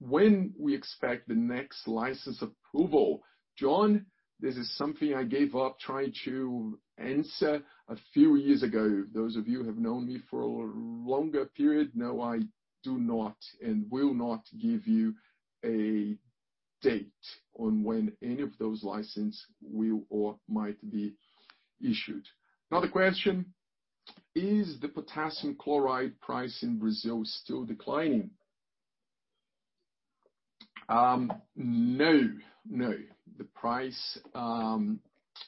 When we expect the next license approval, John, this is something I gave up trying to answer a few years ago. Those of you who have known me for a longer period know I do not and will not give you a date on when any of those license will or might be issued. Another question, is the potassium chloride price in Brazil still declining? No. The price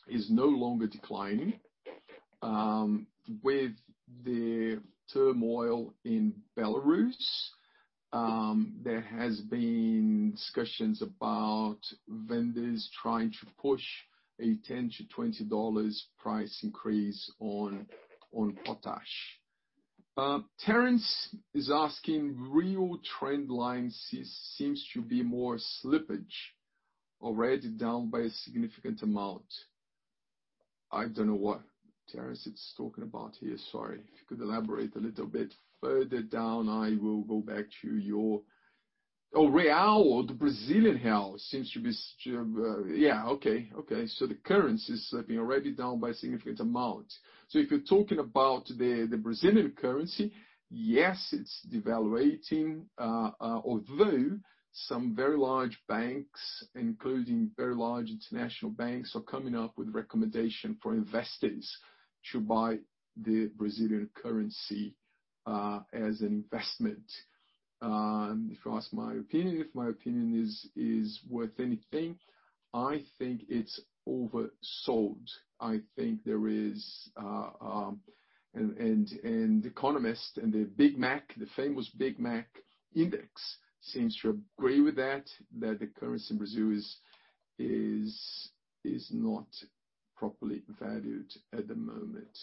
is no longer declining. With the turmoil in Belarus, there has been discussions about vendors trying to push a 10-20 dollars price increase on potash. Terrence is asking, real trend line seems to be more slippage. Already down by a significant amount. I don't know what Terrence is talking about here, sorry. If you could elaborate a little bit further down, I will go back to you. Oh, real or the Brazilian real seems to be. Yeah, okay. The currency is slipping already down by a significant amount. If you're talking about the Brazilian currency, yes, it's devaluating, although some very large banks, including very large international banks, are coming up with recommendation for investors to buy the Brazilian currency, as an investment. If you ask my opinion, if my opinion is worth anything, I think it's oversold. The Economist and the Big Mac, the famous Big Mac index, seems to agree with that the currency in Brazil is not properly valued at the moment.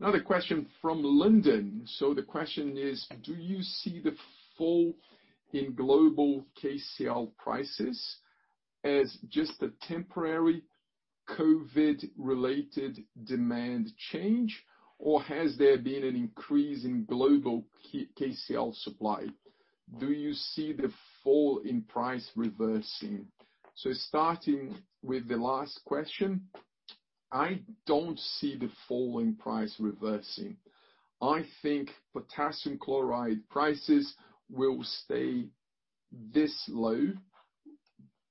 Another question from London. The question is, do you see the fall in global KCl prices as just a temporary COVID-related demand change, or has there been an increase in global KCl supply? Do you see the fall in price reversing? Starting with the last question, I don't see the falling price reversing. I think potassium chloride prices will stay this low,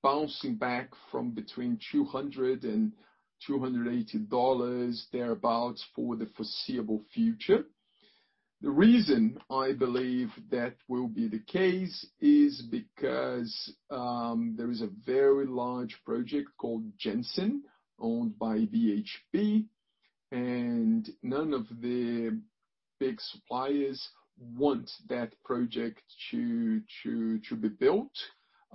bouncing back from between 200-280 dollars, thereabout, for the foreseeable future. The reason I believe that will be the case is because there is a very large project called Jansen, owned by BHP, none of the big suppliers want that project to be built.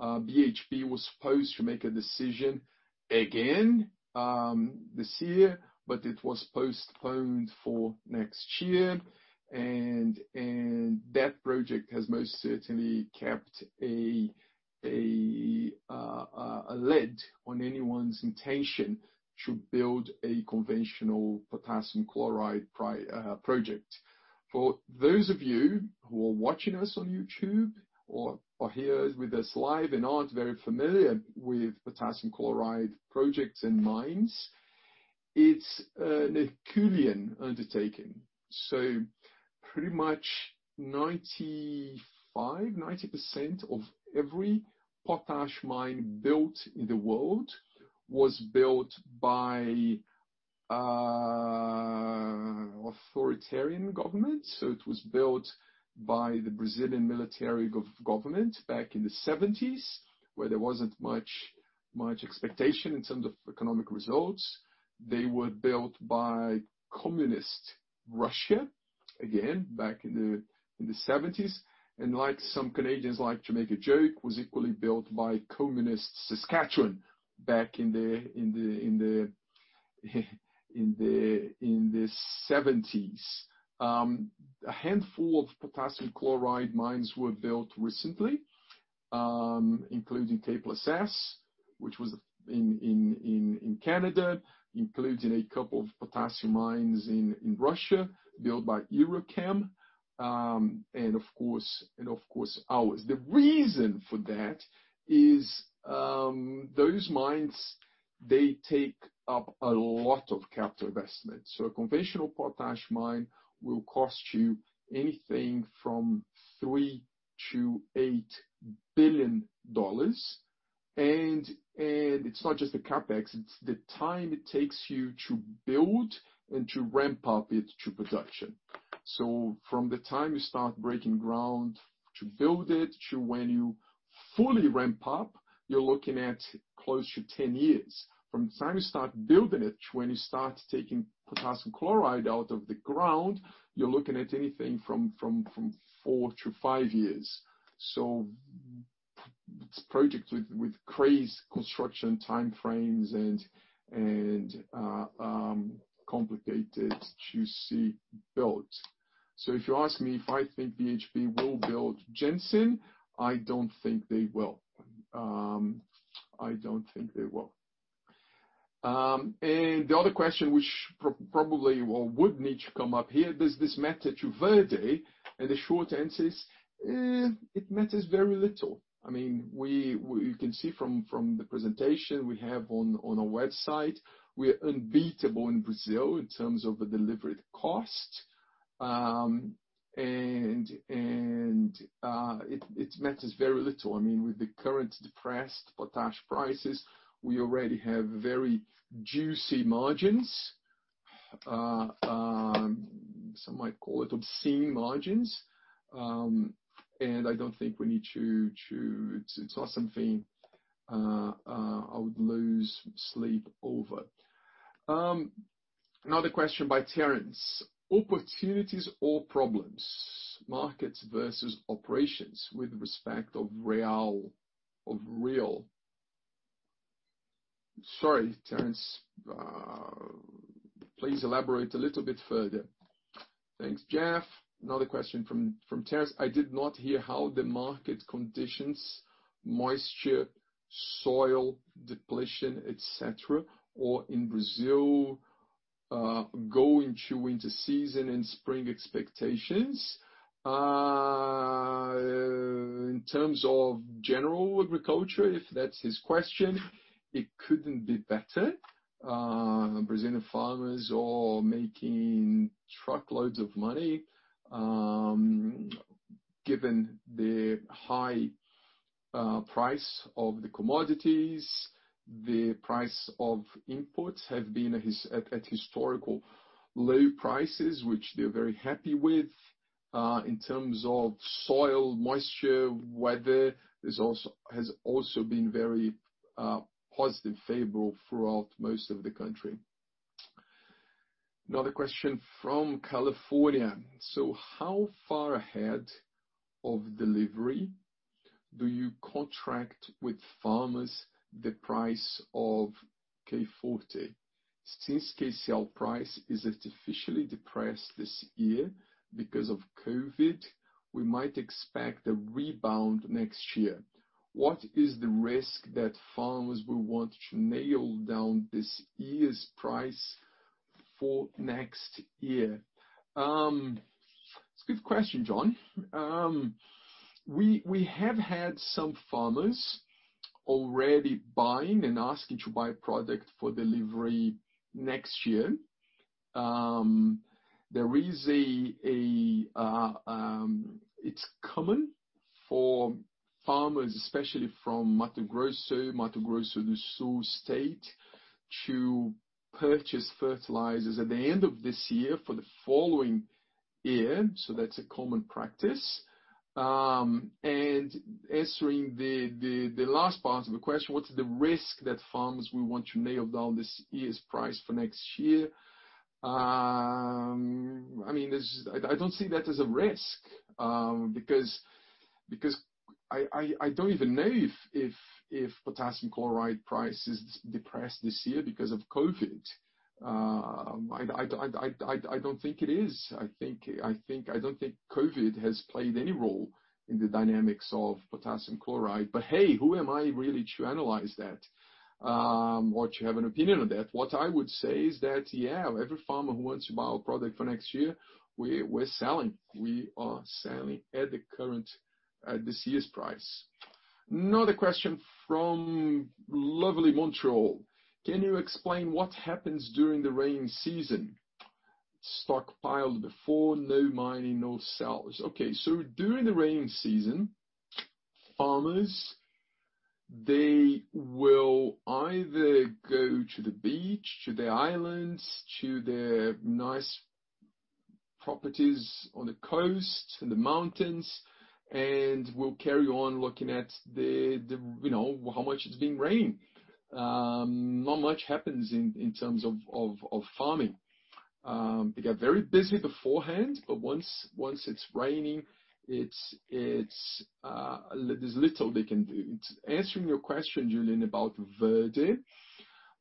BHP was supposed to make a decision again, this year, it was postponed for next year. That project has most certainly kept a lid on anyone's intention to build a conventional potassium chloride project. For those of you who are watching us on YouTube or are here with us live and aren't very familiar with potassium chloride projects and mines, it's an Herculean undertaking. Pretty much 95%, 90% of every potash mine built in the world was built by authoritarian governments. It was built by the Brazilian military government back in the 1970s, where there wasn't much expectation in terms of economic results. They were built by communist Russia, again, back in the 1970s. Like some Canadians like to make a joke, was equally built by communist Saskatchewan back in the 1970s. A handful of potassium chloride mines were built recently, including K+S, which was in Canada, including a couple of potassium mines in Russia built by EuroChem. Of course, ours. The reason for that is those mines, they take up a lot of capital investment. A conventional potash mine will cost you anything from 3 billion-8 billion dollars. It's not just the CapEx, it's the time it takes you to build and to ramp up it to production. From the time you start breaking ground to build it to when you fully ramp up, you're looking at close to 10 years. From the time you start building it to when you start taking potassium chloride out of the ground, you're looking at anything from four to five years. It's project with crazy construction time frames and complicated to see built. If you ask me if I think BHP will build Jansen, I don't think they will. The other question which probably would need to come up here. Does this matter to Verde? The short answer is, it matters very little. You can see from the presentation we have on our website, we are unbeatable in Brazil in terms of the delivered cost, and it matters very little. With the current depressed potash prices, we already have very juicy margins. Some might call it obscene margins. I don't think it's not something I would lose sleep over. Another question by Terrence. Opportunities or problems, markets versus operations with respect of real. Sorry, Terrence. Please elaborate a little bit further. Thanks, Jeff. Another question from Terrence. I did not hear how the market conditions, moisture, soil depletion, et cetera, or in Brazil, going to winter season and spring expectations. In terms of general agriculture, if that's his question, it couldn't be better. Brazilian farmers are making truckloads of money, given the high price of the commodities. The price of imports have been at historical low prices, which they're very happy with. In terms of soil moisture, weather, has also been very positive, favorable throughout most of the country. Another question from California. How far ahead of delivery do you contract with farmers the price of K Forte? Since KCl price is artificially depressed this year because of COVID, we might expect a rebound next year. What is the risk that farmers will want to nail down this year's price for next year? It's a good question, John. We have had some farmers already buying and asking to buy product for delivery next year. It's common for farmers, especially from Mato Grosso, Mato Grosso do Sul state, to purchase fertilizers at the end of this year for the following year. That's a common practice. Answering the last part of the question, what is the risk that farmers will want to nail down this year's price for next year? I don't see that as a risk, because I don't even know if potassium chloride price is depressed this year because of COVID. I don't think it is. I don't think COVID has played any role in the dynamics of potassium chloride. Hey, who am I really to analyze that or to have an opinion on that. What I would say is that, yeah, every farmer who wants to buy our product for next year, we're selling. We are selling at this year's price. Another question from lovely Montreal. Can you explain what happens during the rain season? Stockpiled before, no mining, no sales. Okay, during the rainy season, farmers, they will either go to the beach, to the islands, to the nice properties on the coast, in the mountains, and will carry on looking at how much it's been raining. Not much happens in terms of farming. They get very busy beforehand, once it's raining, there's little they can do. Answering your question, Julien, about Verde.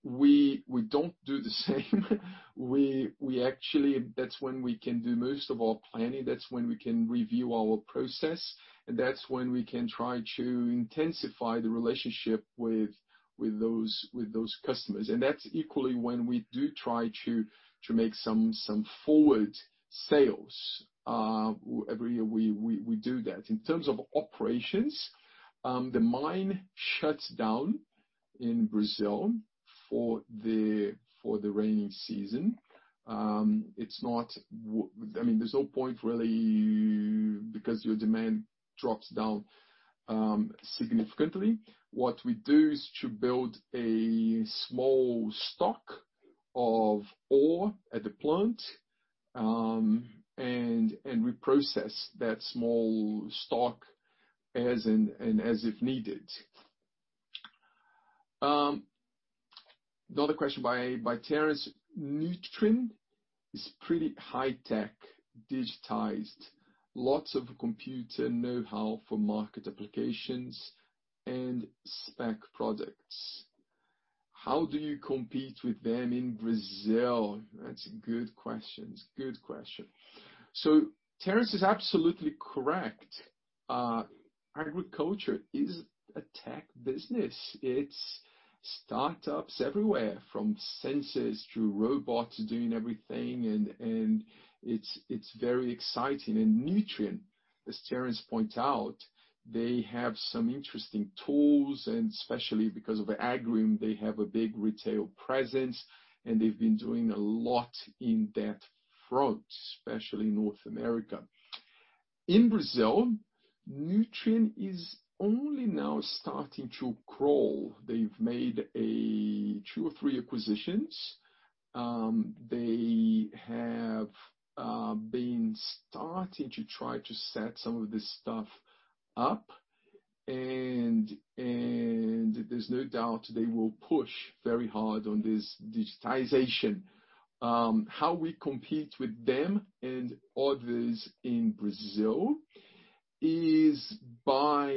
We don't do the same. We actually, that's when we can do most of our planning. That's when we can review our process. That's when we can try to intensify the relationship with those customers. That's equally when we do try to make some forward sales. Every year we do that. In terms of operations, the mine shuts down in Brazil for the rainy season. There's no point really because your demand drops down significantly. What we do is to build a small stock of ore at the plant, and we process that small stock as if needed. Another question by Terrence. Nutrien is pretty high tech, digitized, lots of computer know-how for market applications and spec products. How do you compete with them in Brazil? That's a good question. Terrence is absolutely correct. Agriculture is a tech business. It's startups everywhere, from sensors to robots doing everything, and it's very exciting. Nutrien, as Terrence pointed out, they have some interesting tools, especially because of the Agrium, they have a big retail presence, they've been doing a lot on that front, especially in North America. In Brazil, Nutrien is only now starting to crawl. They've made two or three acquisitions. They have been starting to try to set some of this stuff up. There's no doubt they will push very hard on this digitization. How we compete with them and others in Brazil is by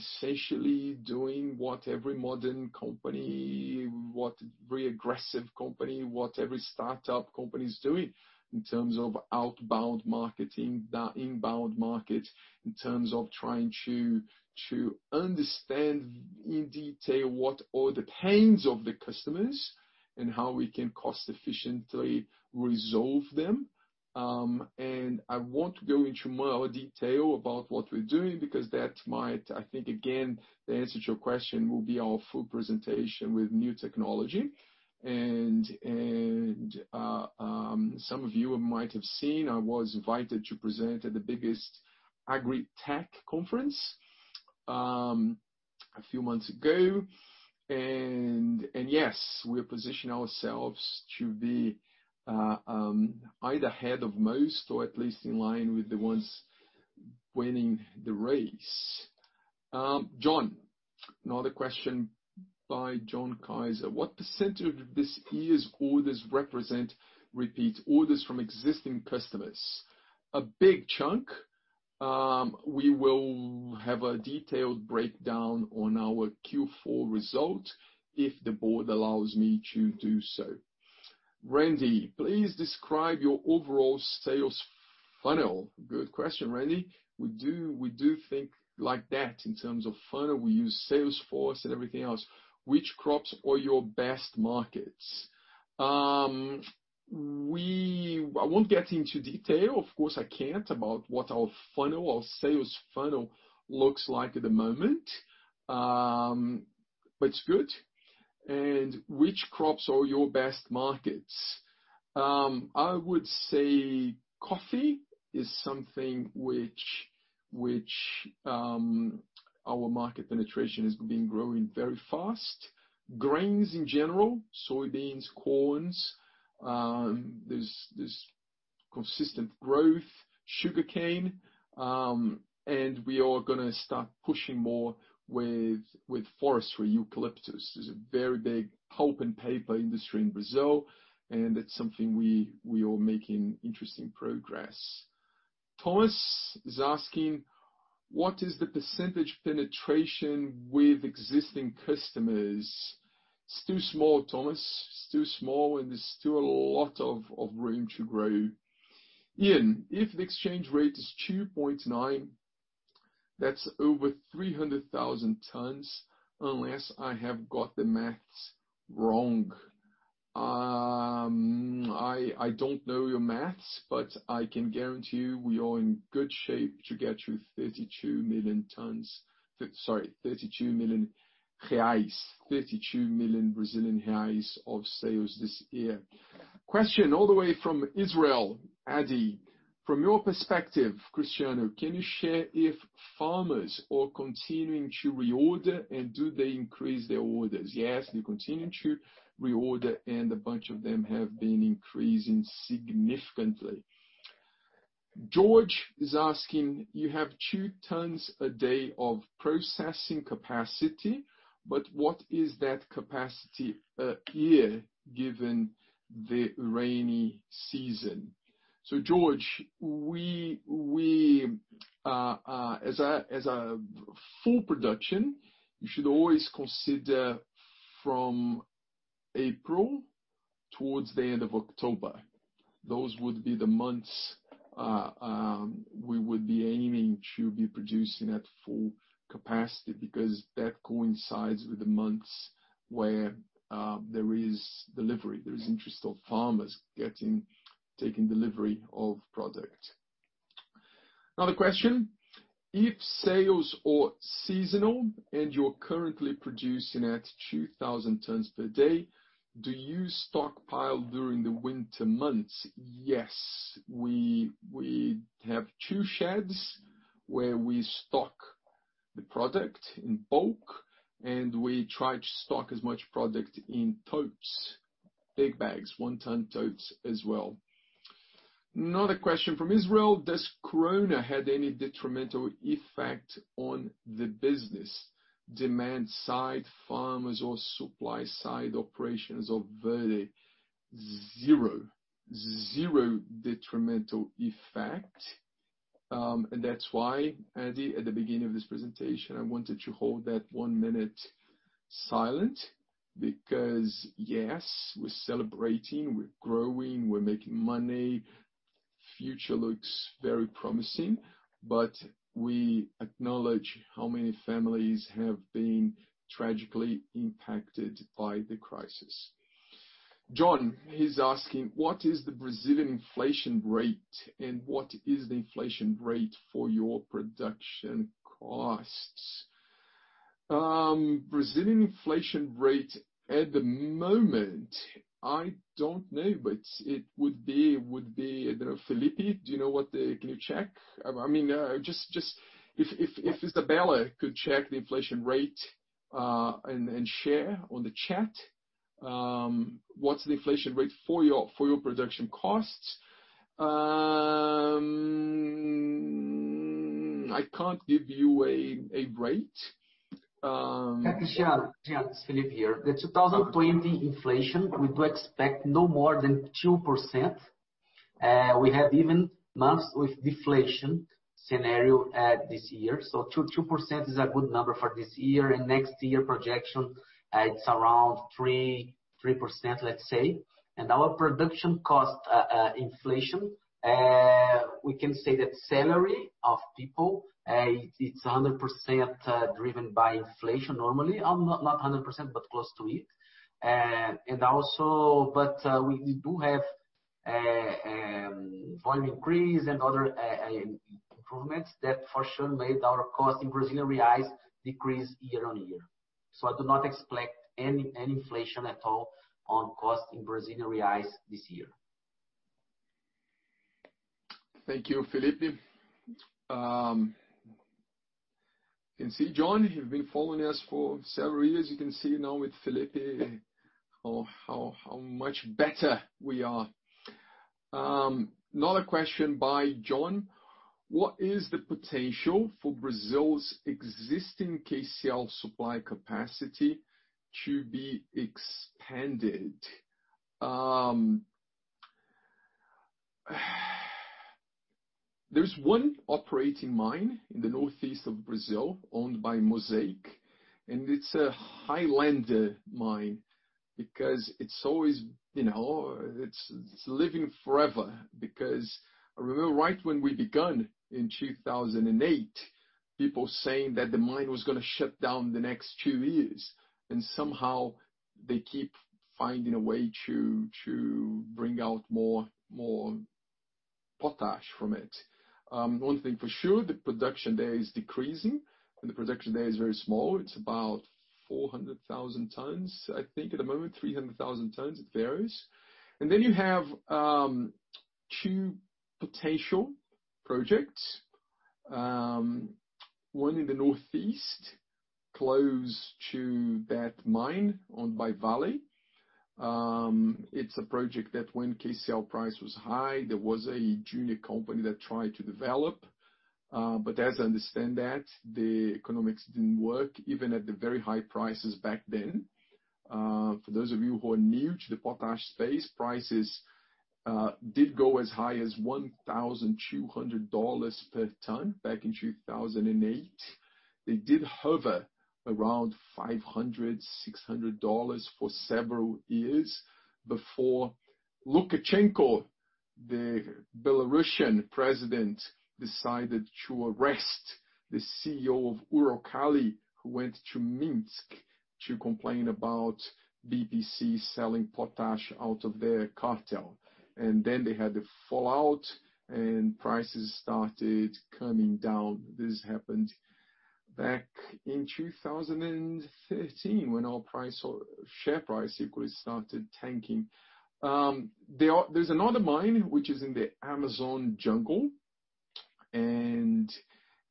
essentially doing what every modern company, what every aggressive company, what every startup company is doing in terms of outbound marketing, inbound market, in terms of trying to understand in detail what are the pains of the customers and how we can cost efficiently resolve them. I want to go into more detail about what we're doing because that might, I think, again, the answer to your question will be our full presentation with new technology. Some of you might have seen, I was invited to present at the biggest agri-tech conference a few months ago. Yes, we position ourselves to be either ahead of most or at least in line with the ones winning the race. John. Another question by John Kaiser. What percentage of this year's orders represent repeat orders from existing customers? A big chunk. We will have a detailed breakdown on our Q4 result if the board allows me to do so. Randy. Please describe your overall sales funnel. Good question, Randy. We do think like that in terms of funnel. We use Salesforce and everything else. Which crops are your best markets? I won't get into detail. Of course, I can't about what our sales funnel looks like at the moment. It's good. Which crops are your best markets? I would say coffee is something which our market penetration has been growing very fast. Grains in general, soybeans, corns. There's consistent growth. Sugarcane. We are going to start pushing more with forestry eucalyptus. There's a very big pulp and paper industry in Brazil. It's something we are making interesting progress. Thomas is asking, what is the percentage penetration with existing customers? It's too small, Thomas. It's too small. There's still a lot of room to grow. Ian. If the exchange rate is 2.9, that's over 300,000 tonnes, unless I have got the math wrong. I don't know your math. I can guarantee you we are in good shape to get to 32 million tonnes. Sorry, 32 million reais. 32 million Brazilian reais of sales this year. Question all the way from Israel. Adi. From your perspective, Cristiano, can you share if farmers are continuing to reorder? Do they increase their orders? Yes, they continue to reorder. A bunch of them have been increasing significantly. George is asking, you have 2 tonnes a day of processing capacity, what is that capacity a year, given the rainy season? George, as a full production, you should always consider from April towards the end of October. Those would be the months we would be aiming to be producing at full capacity because that coincides with the months where there is delivery. There is interest of farmers taking delivery of product. Another question, if sales are seasonal and you're currently producing at 2,000 tonnes per day, do you stockpile during the winter months? Yes. We have two sheds where we stock the product in bulk, and we try to stock as much product in totes, big bags, one-ton totes as well. Another question from Isabella, does Corona had any detrimental effect on the business, demand side, farmers or supply side operations of Verde? Zero detrimental effect. That's why, Adi, at the beginning of this presentation, I wanted to hold that one minute silent because yes, we're celebrating, we're growing, we're making money. Future looks very promising, but we acknowledge how many families have been tragically impacted by the crisis. John is asking, what is the Brazilian inflation rate, and what is the inflation rate for your production costs? Brazilian inflation rate at the moment, I don't know, but it would be, I don't know. Felipe, do you know what? Can you check? If Isabella could check the inflation rate and share on the chat. What's the inflation rate for your production costs? I can't give you a rate. Cristiano, it's Felipe here. The 2020 inflation, we do expect no more than 2%. We have even months with deflation scenario at this year. 2% is a good number for this year and next year projection, it's around 3%, let's say. Our production cost inflation, we can say that salary of people it's 100% driven by inflation normally. Not 100%, but close to it. We do have volume increase and other improvements that for sure made our cost in Brazilian reais decrease year on year. I do not expect any inflation at all on cost in Brazilian reais this year. Thank you, Felipe. You can see John, you've been following us for several years. You can see now with Felipe how much better we are. Another question by John. What is the potential for Brazil's existing KCl supply capacity to be expanded? There's one operating mine in the northeast of Brazil owned by Mosaic, and it's a Highlander mine because it's living forever. Because I remember right when we began in 2008, people saying that the mine was going to shut down the next two years, and somehow they keep finding a way to bring out more potash from it. One thing for sure, the production there is decreasing, and the production there is very small. It's about 400,000 tonnes, I think at the moment, 300,000 tonnes. It varies. You have two potential projects. One in the northeast, close to that mine owned by Vale. It's a project that when KCl price was high, there was a junior company that tried to develop. As I understand that, the economics didn't work even at the very high prices back then. For those of you who are new to the potash space, prices did go as high as 1,200 dollars per tonne back in 2008. They did hover around 500, 600 dollars for several years before Lukashenko, the Belarusian president, decided to arrest the CEO of Uralkali, who went to Minsk to complain about BPC selling potash out of their cartel. Then they had the fallout and prices started coming down. This happened back in 2013 when our share price equally started tanking. There's another mine which is in the Amazon jungle, and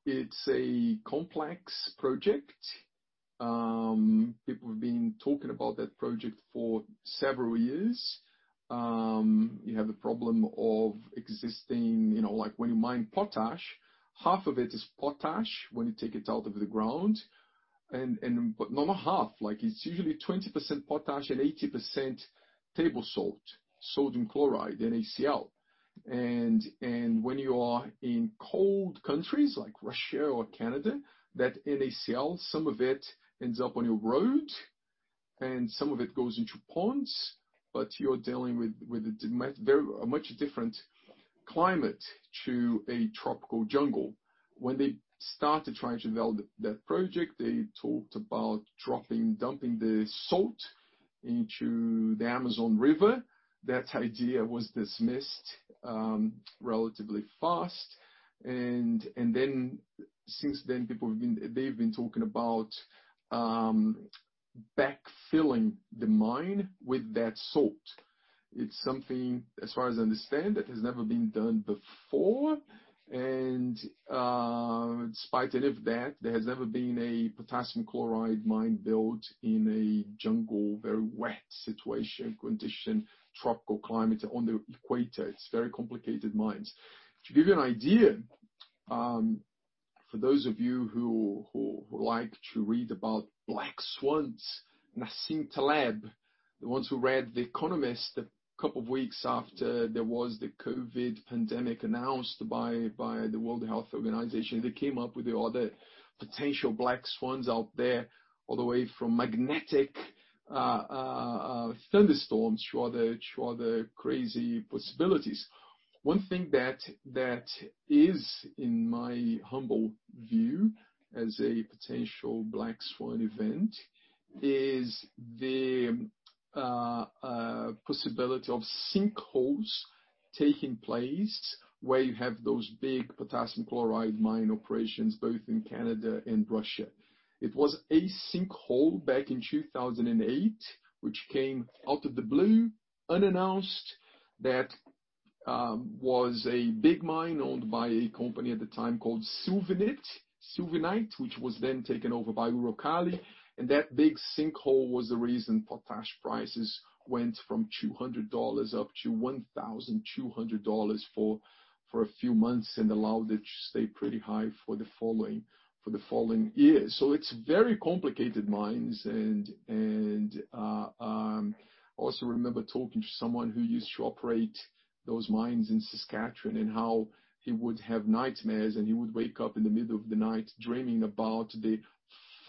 it's a complex project. People have been talking about that project for several years. Like when you mine potash, half of it is potash when you take it out of the ground. Not half, like it's usually 20% potash and 80% table salt, sodium chloride, NaCl. When you are in cold countries like Russia or Canada, that NaCl, some of it ends up on your road and some of it goes into ponds, but you're dealing with a much different climate to a tropical jungle. When they started trying to develop that project, they talked about dumping the salt into the Amazon River. That idea was dismissed relatively fast, and since then people they've been talking about backfilling the mine with that salt. It's something, as far as I understand, that has never been done before, and in spite of that, there has never been a potassium chloride mine built in a jungle, very wet situation, condition, tropical climate on the equator. It's very complicated mines. To give you an idea, for those of you who like to read about black swans, Nassim Taleb, the ones who read The Economist a couple of weeks after there was the COVID pandemic announced by the World Health Organization, they came up with the other potential black swans out there, all the way from magnetic thunderstorms to other crazy possibilities. One thing that is in my humble view as a potential black swan event is the possibility of sinkholes taking place where you have those big potassium chloride mine operations, both in Canada and Russia. It was a sinkhole back in 2008, which came out of the blue, unannounced, that was a big mine owned by a company at the time called Silvinit, which was then taken over by Uralkali, and that big sinkhole was the reason potash prices went from 200 dollars up to 1,200 dollars for a few months, and allowed it to stay pretty high for the following years. It is very complicated mines. I also remember talking to someone who used to operate those mines in Saskatchewan, and how he would have nightmares and he would wake up in the middle of the night dreaming about the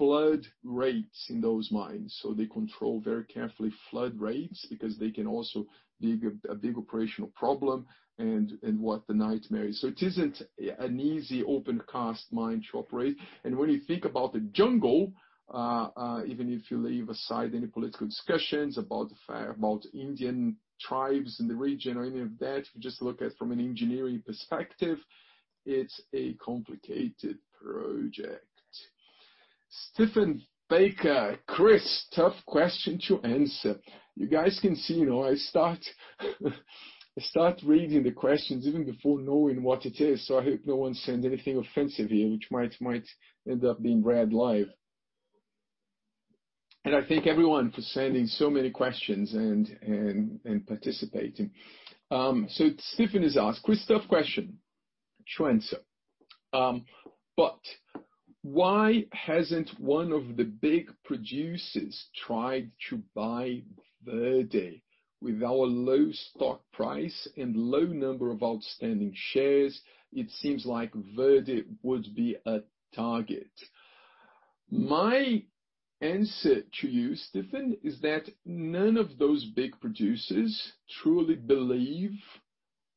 flood rates in those mines. They control very carefully flood rates because they can also be a big operational problem and what the nightmare is. It isn't an easy open cast mine to operate. When you think about the jungle, even if you leave aside any political discussions about Indian tribes in the region or any of that, if you just look at from an engineering perspective, it's a complicated project. Stephen Baker. Cris, tough question to answer. You guys can see, I start reading the questions even before knowing what it is, so I hope no one sends anything offensive here which might end up being read live. I thank everyone for sending so many questions and participating. Stephen has asked, Cris, tough question to answer. Why hasn't one of the big producers tried to buy Verde? With our low stock price and low number of outstanding shares, it seems like Verde would be a target? My answer to you, Stephen, is that none of those big producers truly believe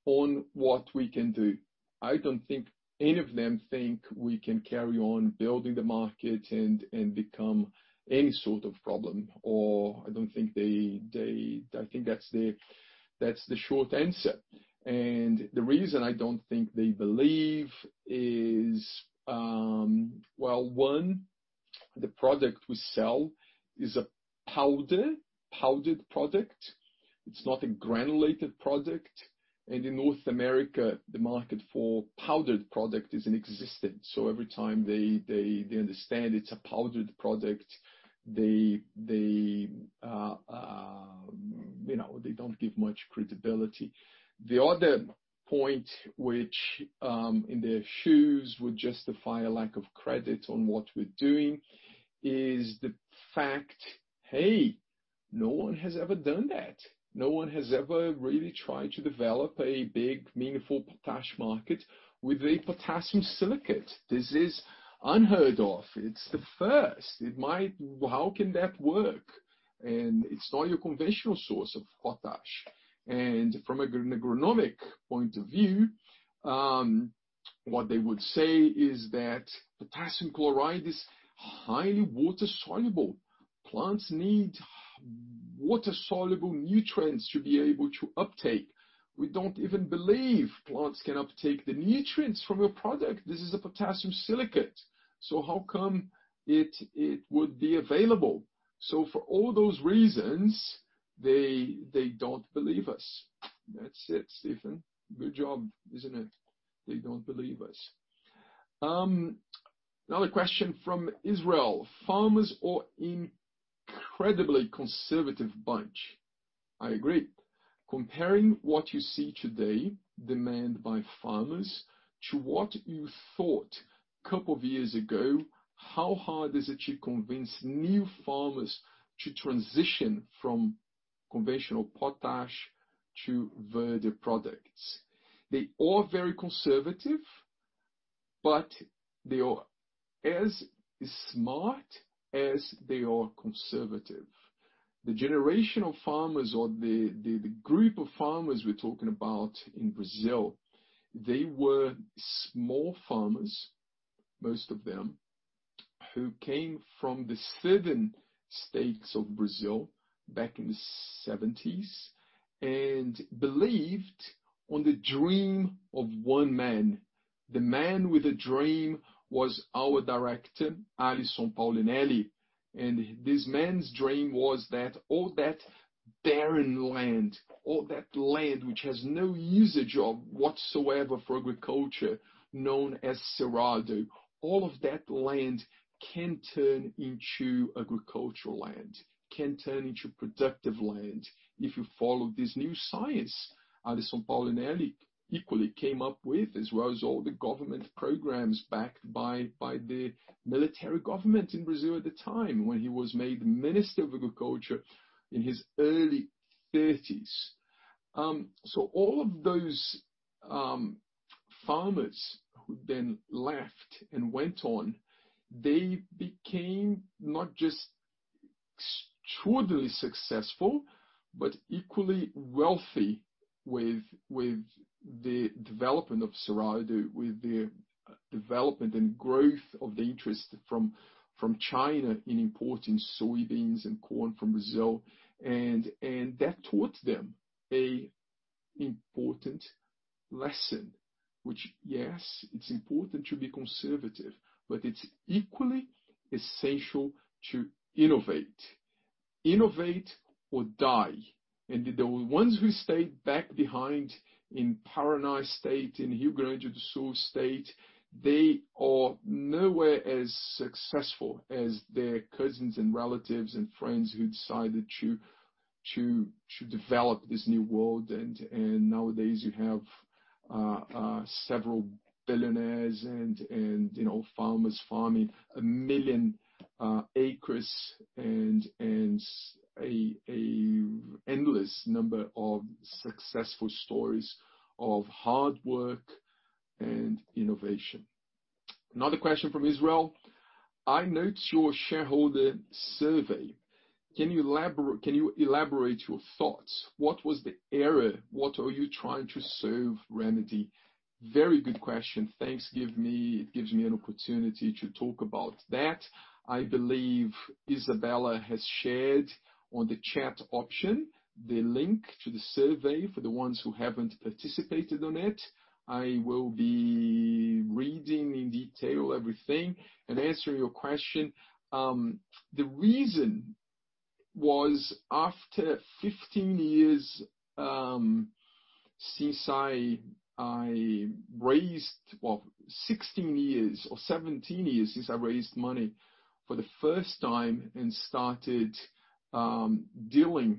on what we can do. I don't think any of them think we can carry on building the market and become any sort of problem. I think that's the short answer. The reason I don't think they believe is, well, one, the product we sell is a powdered product. It's not a granulated product. In North America, the market for powdered product isn't existent. Every time they understand it's a powdered product, they don't give much credibility. The other point which, in their shoes, would justify a lack of credit on what we're doing is the fact, hey, no one has ever done that. No one has ever really tried to develop a big, meaningful potash market with a potassium silicate. This is unheard of. It's the first. How can that work? It's not your conventional source of potash. From an agronomic point of view, what they would say is that potassium chloride is highly water-soluble. Plants need water-soluble nutrients to be able to uptake. We don't even believe plants can uptake the nutrients from a product. This is a potassium silicate, so how come it would be available? For all those reasons, they don't believe us. That's it, Stephen. Good job, isn't it? They don't believe us. Another question from Israel. Farmers are incredibly conservative bunch. I agree. Comparing what you see today, demand by farmers, to what you thought couple of years ago, how hard is it to convince new farmers to transition from conventional potash to Verde products?” They are very conservative, but as smart as they are conservative. The generation of farmers or the group of farmers we're talking about in Brazil, they were small farmers, most of them, who came from the southern states of Brazil back in the '70s and believed on the dream of one man. The man with a dream was our Director, Alysson Paolinelli, and this man's dream was that all that barren land, all that land which has no usage of whatsoever for agriculture, known as Cerrado, all of that land can turn into agricultural land, can turn into productive land if you follow this new science Alysson Paolinelli equally came up with, as well as all the government programs backed by the military government in Brazil at the time when he was made Minister of Agriculture in his early 30s. All of those farmers who then left and went on, they became not just extraordinarily successful, but equally wealthy with the development of Cerrado, with the development and growth of the interest from China in importing soybeans and corn from Brazil. That taught them a important lesson, which, yes, it's important to be conservative, but it's equally essential to innovate. Innovate or die. The ones who stayed back behind in Paraná State, in Rio Grande do Sul State, they are nowhere as successful as their cousins and relatives and friends who decided to develop this new world. Nowadays you have several billionaires and farmers farming 1 million acres and an endless number of successful stories of hard work and innovation. Another question from Israel. I note your shareholder survey. Can you elaborate your thoughts? What was the area? What are you trying to serve remedy? Very good question. Thanks. It gives me an opportunity to talk about that. I believe Isabella has shared on the chat option the link to the survey for the ones who haven't participated on it. I will be reading in detail everything and answering your question. The reason was after 15 years since I raised 16 years or 17 years since I raised money for the first time and started dealing with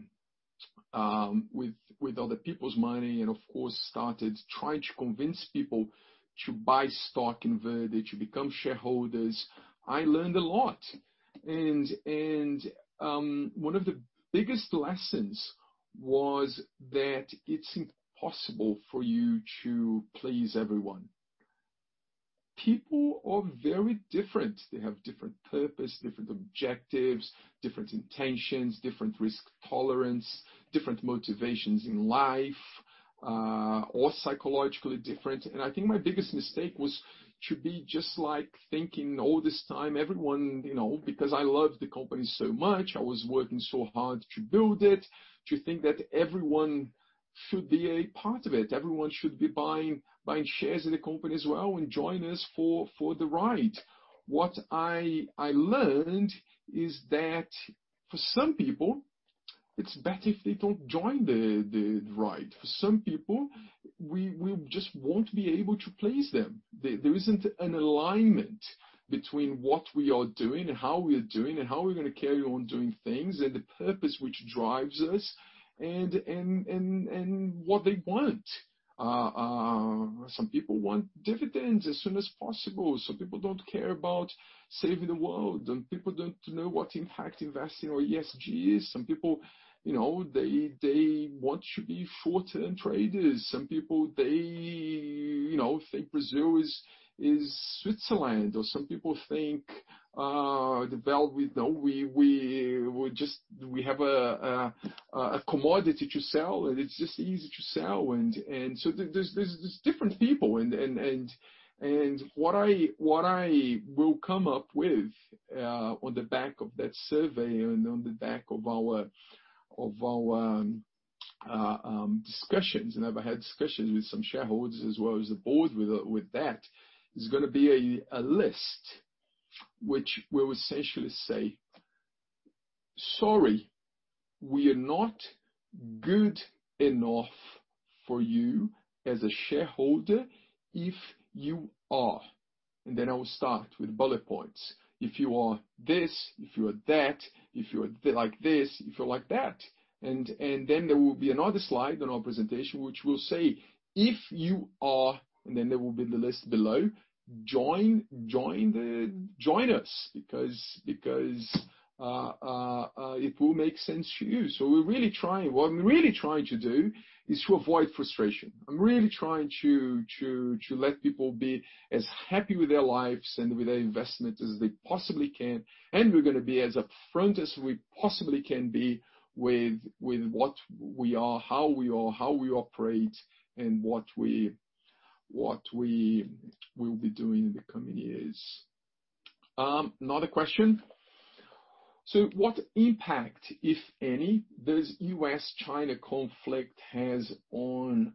other people's money and, of course, started trying to convince people to buy stock in Verde, to become shareholders, I learned a lot. One of the biggest lessons was that it's impossible for you to please everyone. People are very different. They have different purpose, different objectives, different intentions, different risk tolerance, different motivations in life, all psychologically different. I think my biggest mistake was to be just like thinking all this time, because I loved the company so much, I was working so hard to build it, to think that everyone should be a part of it. Everyone should be buying shares in the company as well and join us for the ride. What I learned is that for some people, it's better if they don't join the ride. For some people, we just won't be able to please them. There isn't an alignment between what we are doing and how we are doing and how we're going to carry on doing things and the purpose which drives us and what they want. Some people want dividends as soon as possible. Some people don't care about saving the world. Some people don't know what impact investing or ESG is. Some people, they want to be short-term traders. Some people, they think Brazil is Switzerland, or some people think that we have a commodity to sell, and it's just easy to sell. There's different people, and what I will come up with on the back of that survey and on the back of our discussions, and I've had discussions with some shareholders as well as the board with that, is going to be a list which will essentially say, sorry, we are not good enough for you as a shareholder if you are. Then I will start with bullet points. If you are this, if you are that, if you are like this, if you are like that. There will be another slide on our presentation, which will say, if you are, and then there will be the list below. Join us because it will make sense to you. What I'm really trying to do is to avoid frustration. I'm really trying to let people be as happy with their lives and with their investment as they possibly can. We're going to be as upfront as we possibly can be with what we are, how we are, how we operate, and what we will be doing in the coming years. Another question. What impact, if any, does U.S.-China conflict has on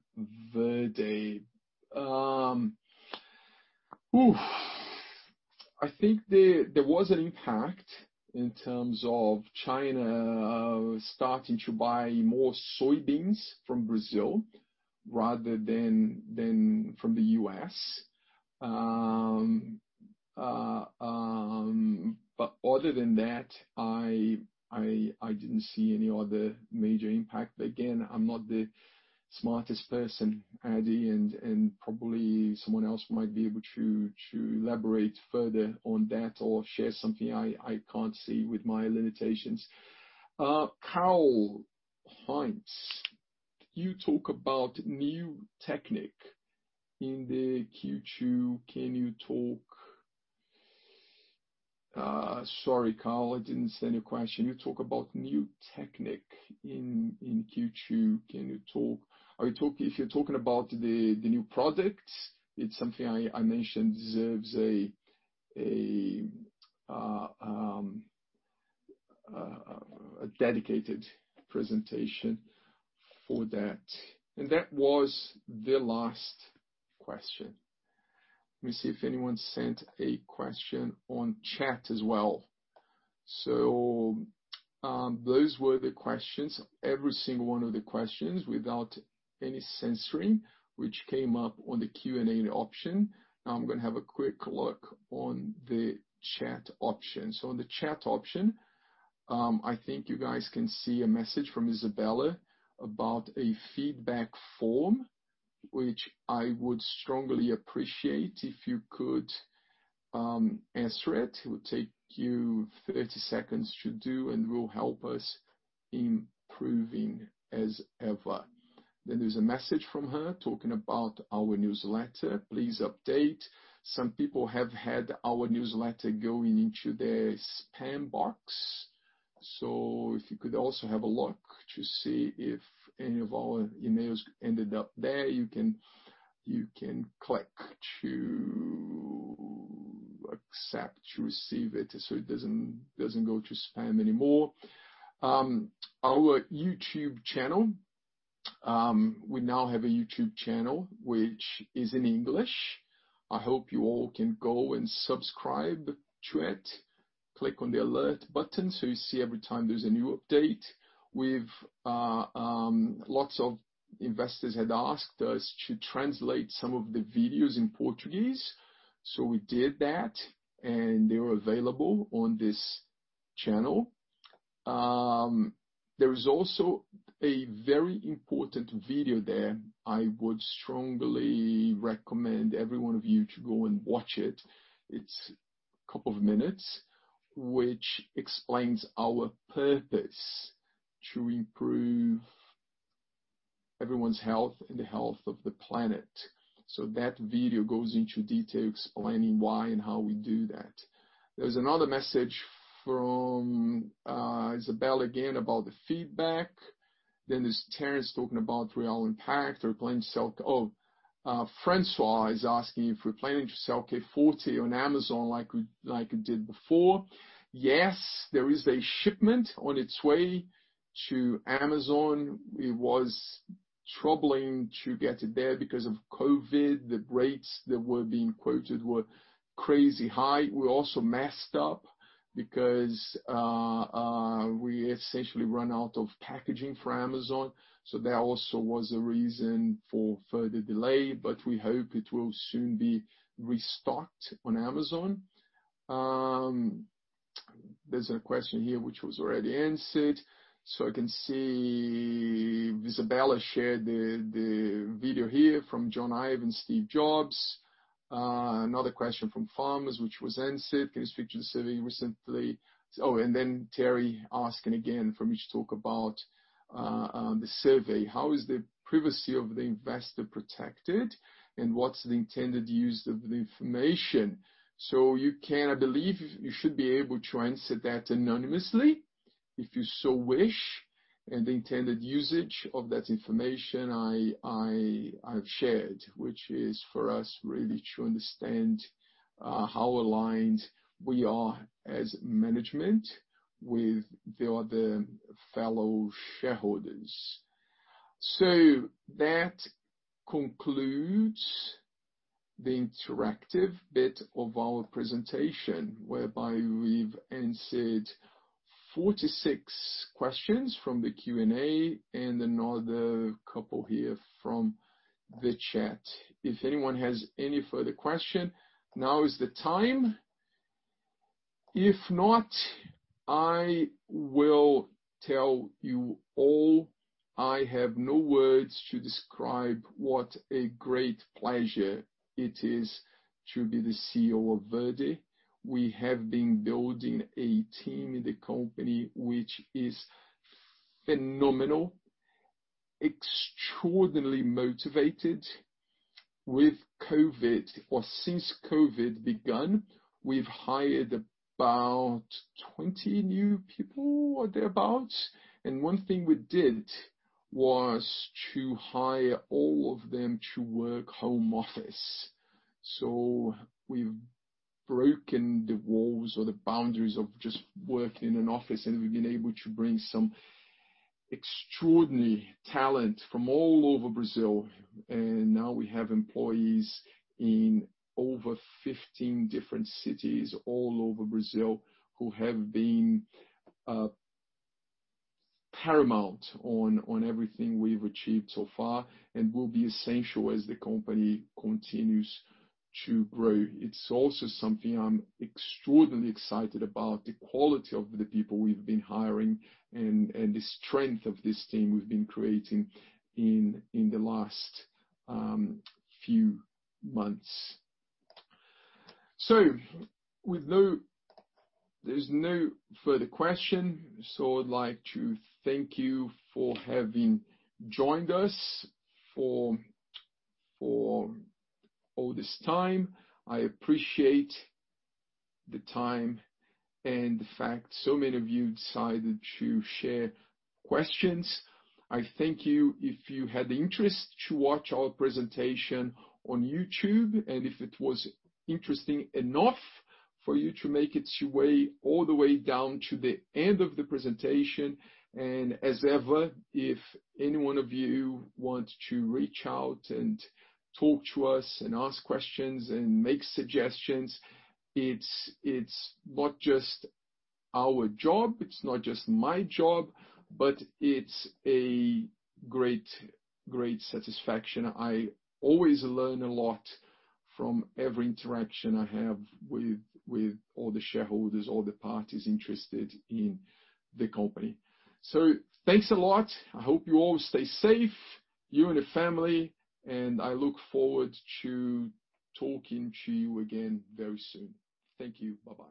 Verde? I think there was an impact in terms of China starting to buy more soybeans from Brazil rather than from the U.S. Other than that, I didn't see any other major impact. Again, I'm not the smartest person, Adi, and probably someone else might be able to elaborate further on that or share something I can't see with my limitations. Carl Heinz, you talk about new technique in the Q2. Sorry, Carl, I didn't see your question. You talk about new technique in Q2. Can you talk? If you're talking about the new products, it's something I mentioned deserves a dedicated presentation for that. That was the last question. Let me see if anyone sent a question on chat as well. Those were the questions. Every single one of the questions, without any censoring, which came up on the Q&A option. Now I'm going to have a quick look on the chat option. On the chat option, I think you guys can see a message from Isabella about a feedback form, which I would strongly appreciate if you could answer it. It will take you 30 seconds to do, and will help us improving as ever. There's a message from her talking about our newsletter. Please update. Some people have had our newsletter going into their spam box. If you could also have a look to see if any of our emails ended up there, you can click to accept to receive it so it doesn't go to spam anymore. Our YouTube channel. We now have a YouTube channel, which is in English. I hope you all can go and subscribe to it. Click on the alert button so you see every time there's a new update. Lots of investors had asked us to translate some of the videos in Portuguese, so we did that, and they're available on this channel. There is also a very important video there. I would strongly recommend every one of you to go and watch it's a couple of minutes, which explains our purpose to improve everyone's health and the health of the planet. That video goes into detail explaining why and how we do that. There's another message from Isabella again about the feedback. There's Terrence talking about real impact. Oh, Francois is asking if we're planning to sell K Forte on Amazon like we did before. Yes, there is a shipment on its way to Amazon. It was troubling to get it there because of COVID. The rates that were being quoted were crazy high. We also messed up because we essentially ran out of packaging for Amazon, so that also was a reason for further delay, but we hope it will soon be restocked on Amazon. There's a question here which was already answered, so I can see Isabella shared the video here from Jony Ive and Steve Jobs. Another question from farmers, which was answered. Can you speak to the survey recently? Oh, Terry asking again for me to talk about the survey. How is the privacy of the investor protected, and what's the intended use of the information? You can, I believe, you should be able to answer that anonymously if you so wish. The intended usage of that information I've shared, which is for us really to understand how aligned we are as management with the other fellow shareholders. That concludes the interactive bit of our presentation, whereby we've answered 46 questions from the Q&A and another couple here from the chat. If anyone has any further question, now is the time. If not, I will tell you all I have no words to describe what a great pleasure it is to be the CEO of Verde. We have been building a team in the company which is phenomenal, extraordinarily motivated. Since COVID began, we've hired about 20 new people or thereabout. One thing we did was to hire all of them to work home office. We've broken the walls or the boundaries of just working in an office, and we've been able to bring some extraordinary talent from all over Brazil. Now we have employees in over 15 different cities all over Brazil who have been paramount on everything we've achieved so far and will be essential as the company continues to grow. It's also something I'm extraordinarily excited about, the quality of the people we've been hiring and the strength of this team we've been creating in the last few months. There's no further question. I'd like to thank you for having joined us for all this time. I appreciate the time and the fact so many of you decided to share questions. I thank you if you had the interest to watch our presentation on YouTube, and if it was interesting enough for you to make its way all the way down to the end of the presentation. As ever, if any one of you want to reach out and talk to us and ask questions and make suggestions, it's not just our job, it's not just my job, but it's a great satisfaction. I always learn a lot from every interaction I have with all the shareholders, all the parties interested in the company. Thanks a lot. I hope you all stay safe, you and the family, and I look forward to talking to you again very soon. Thank you. Bye-bye.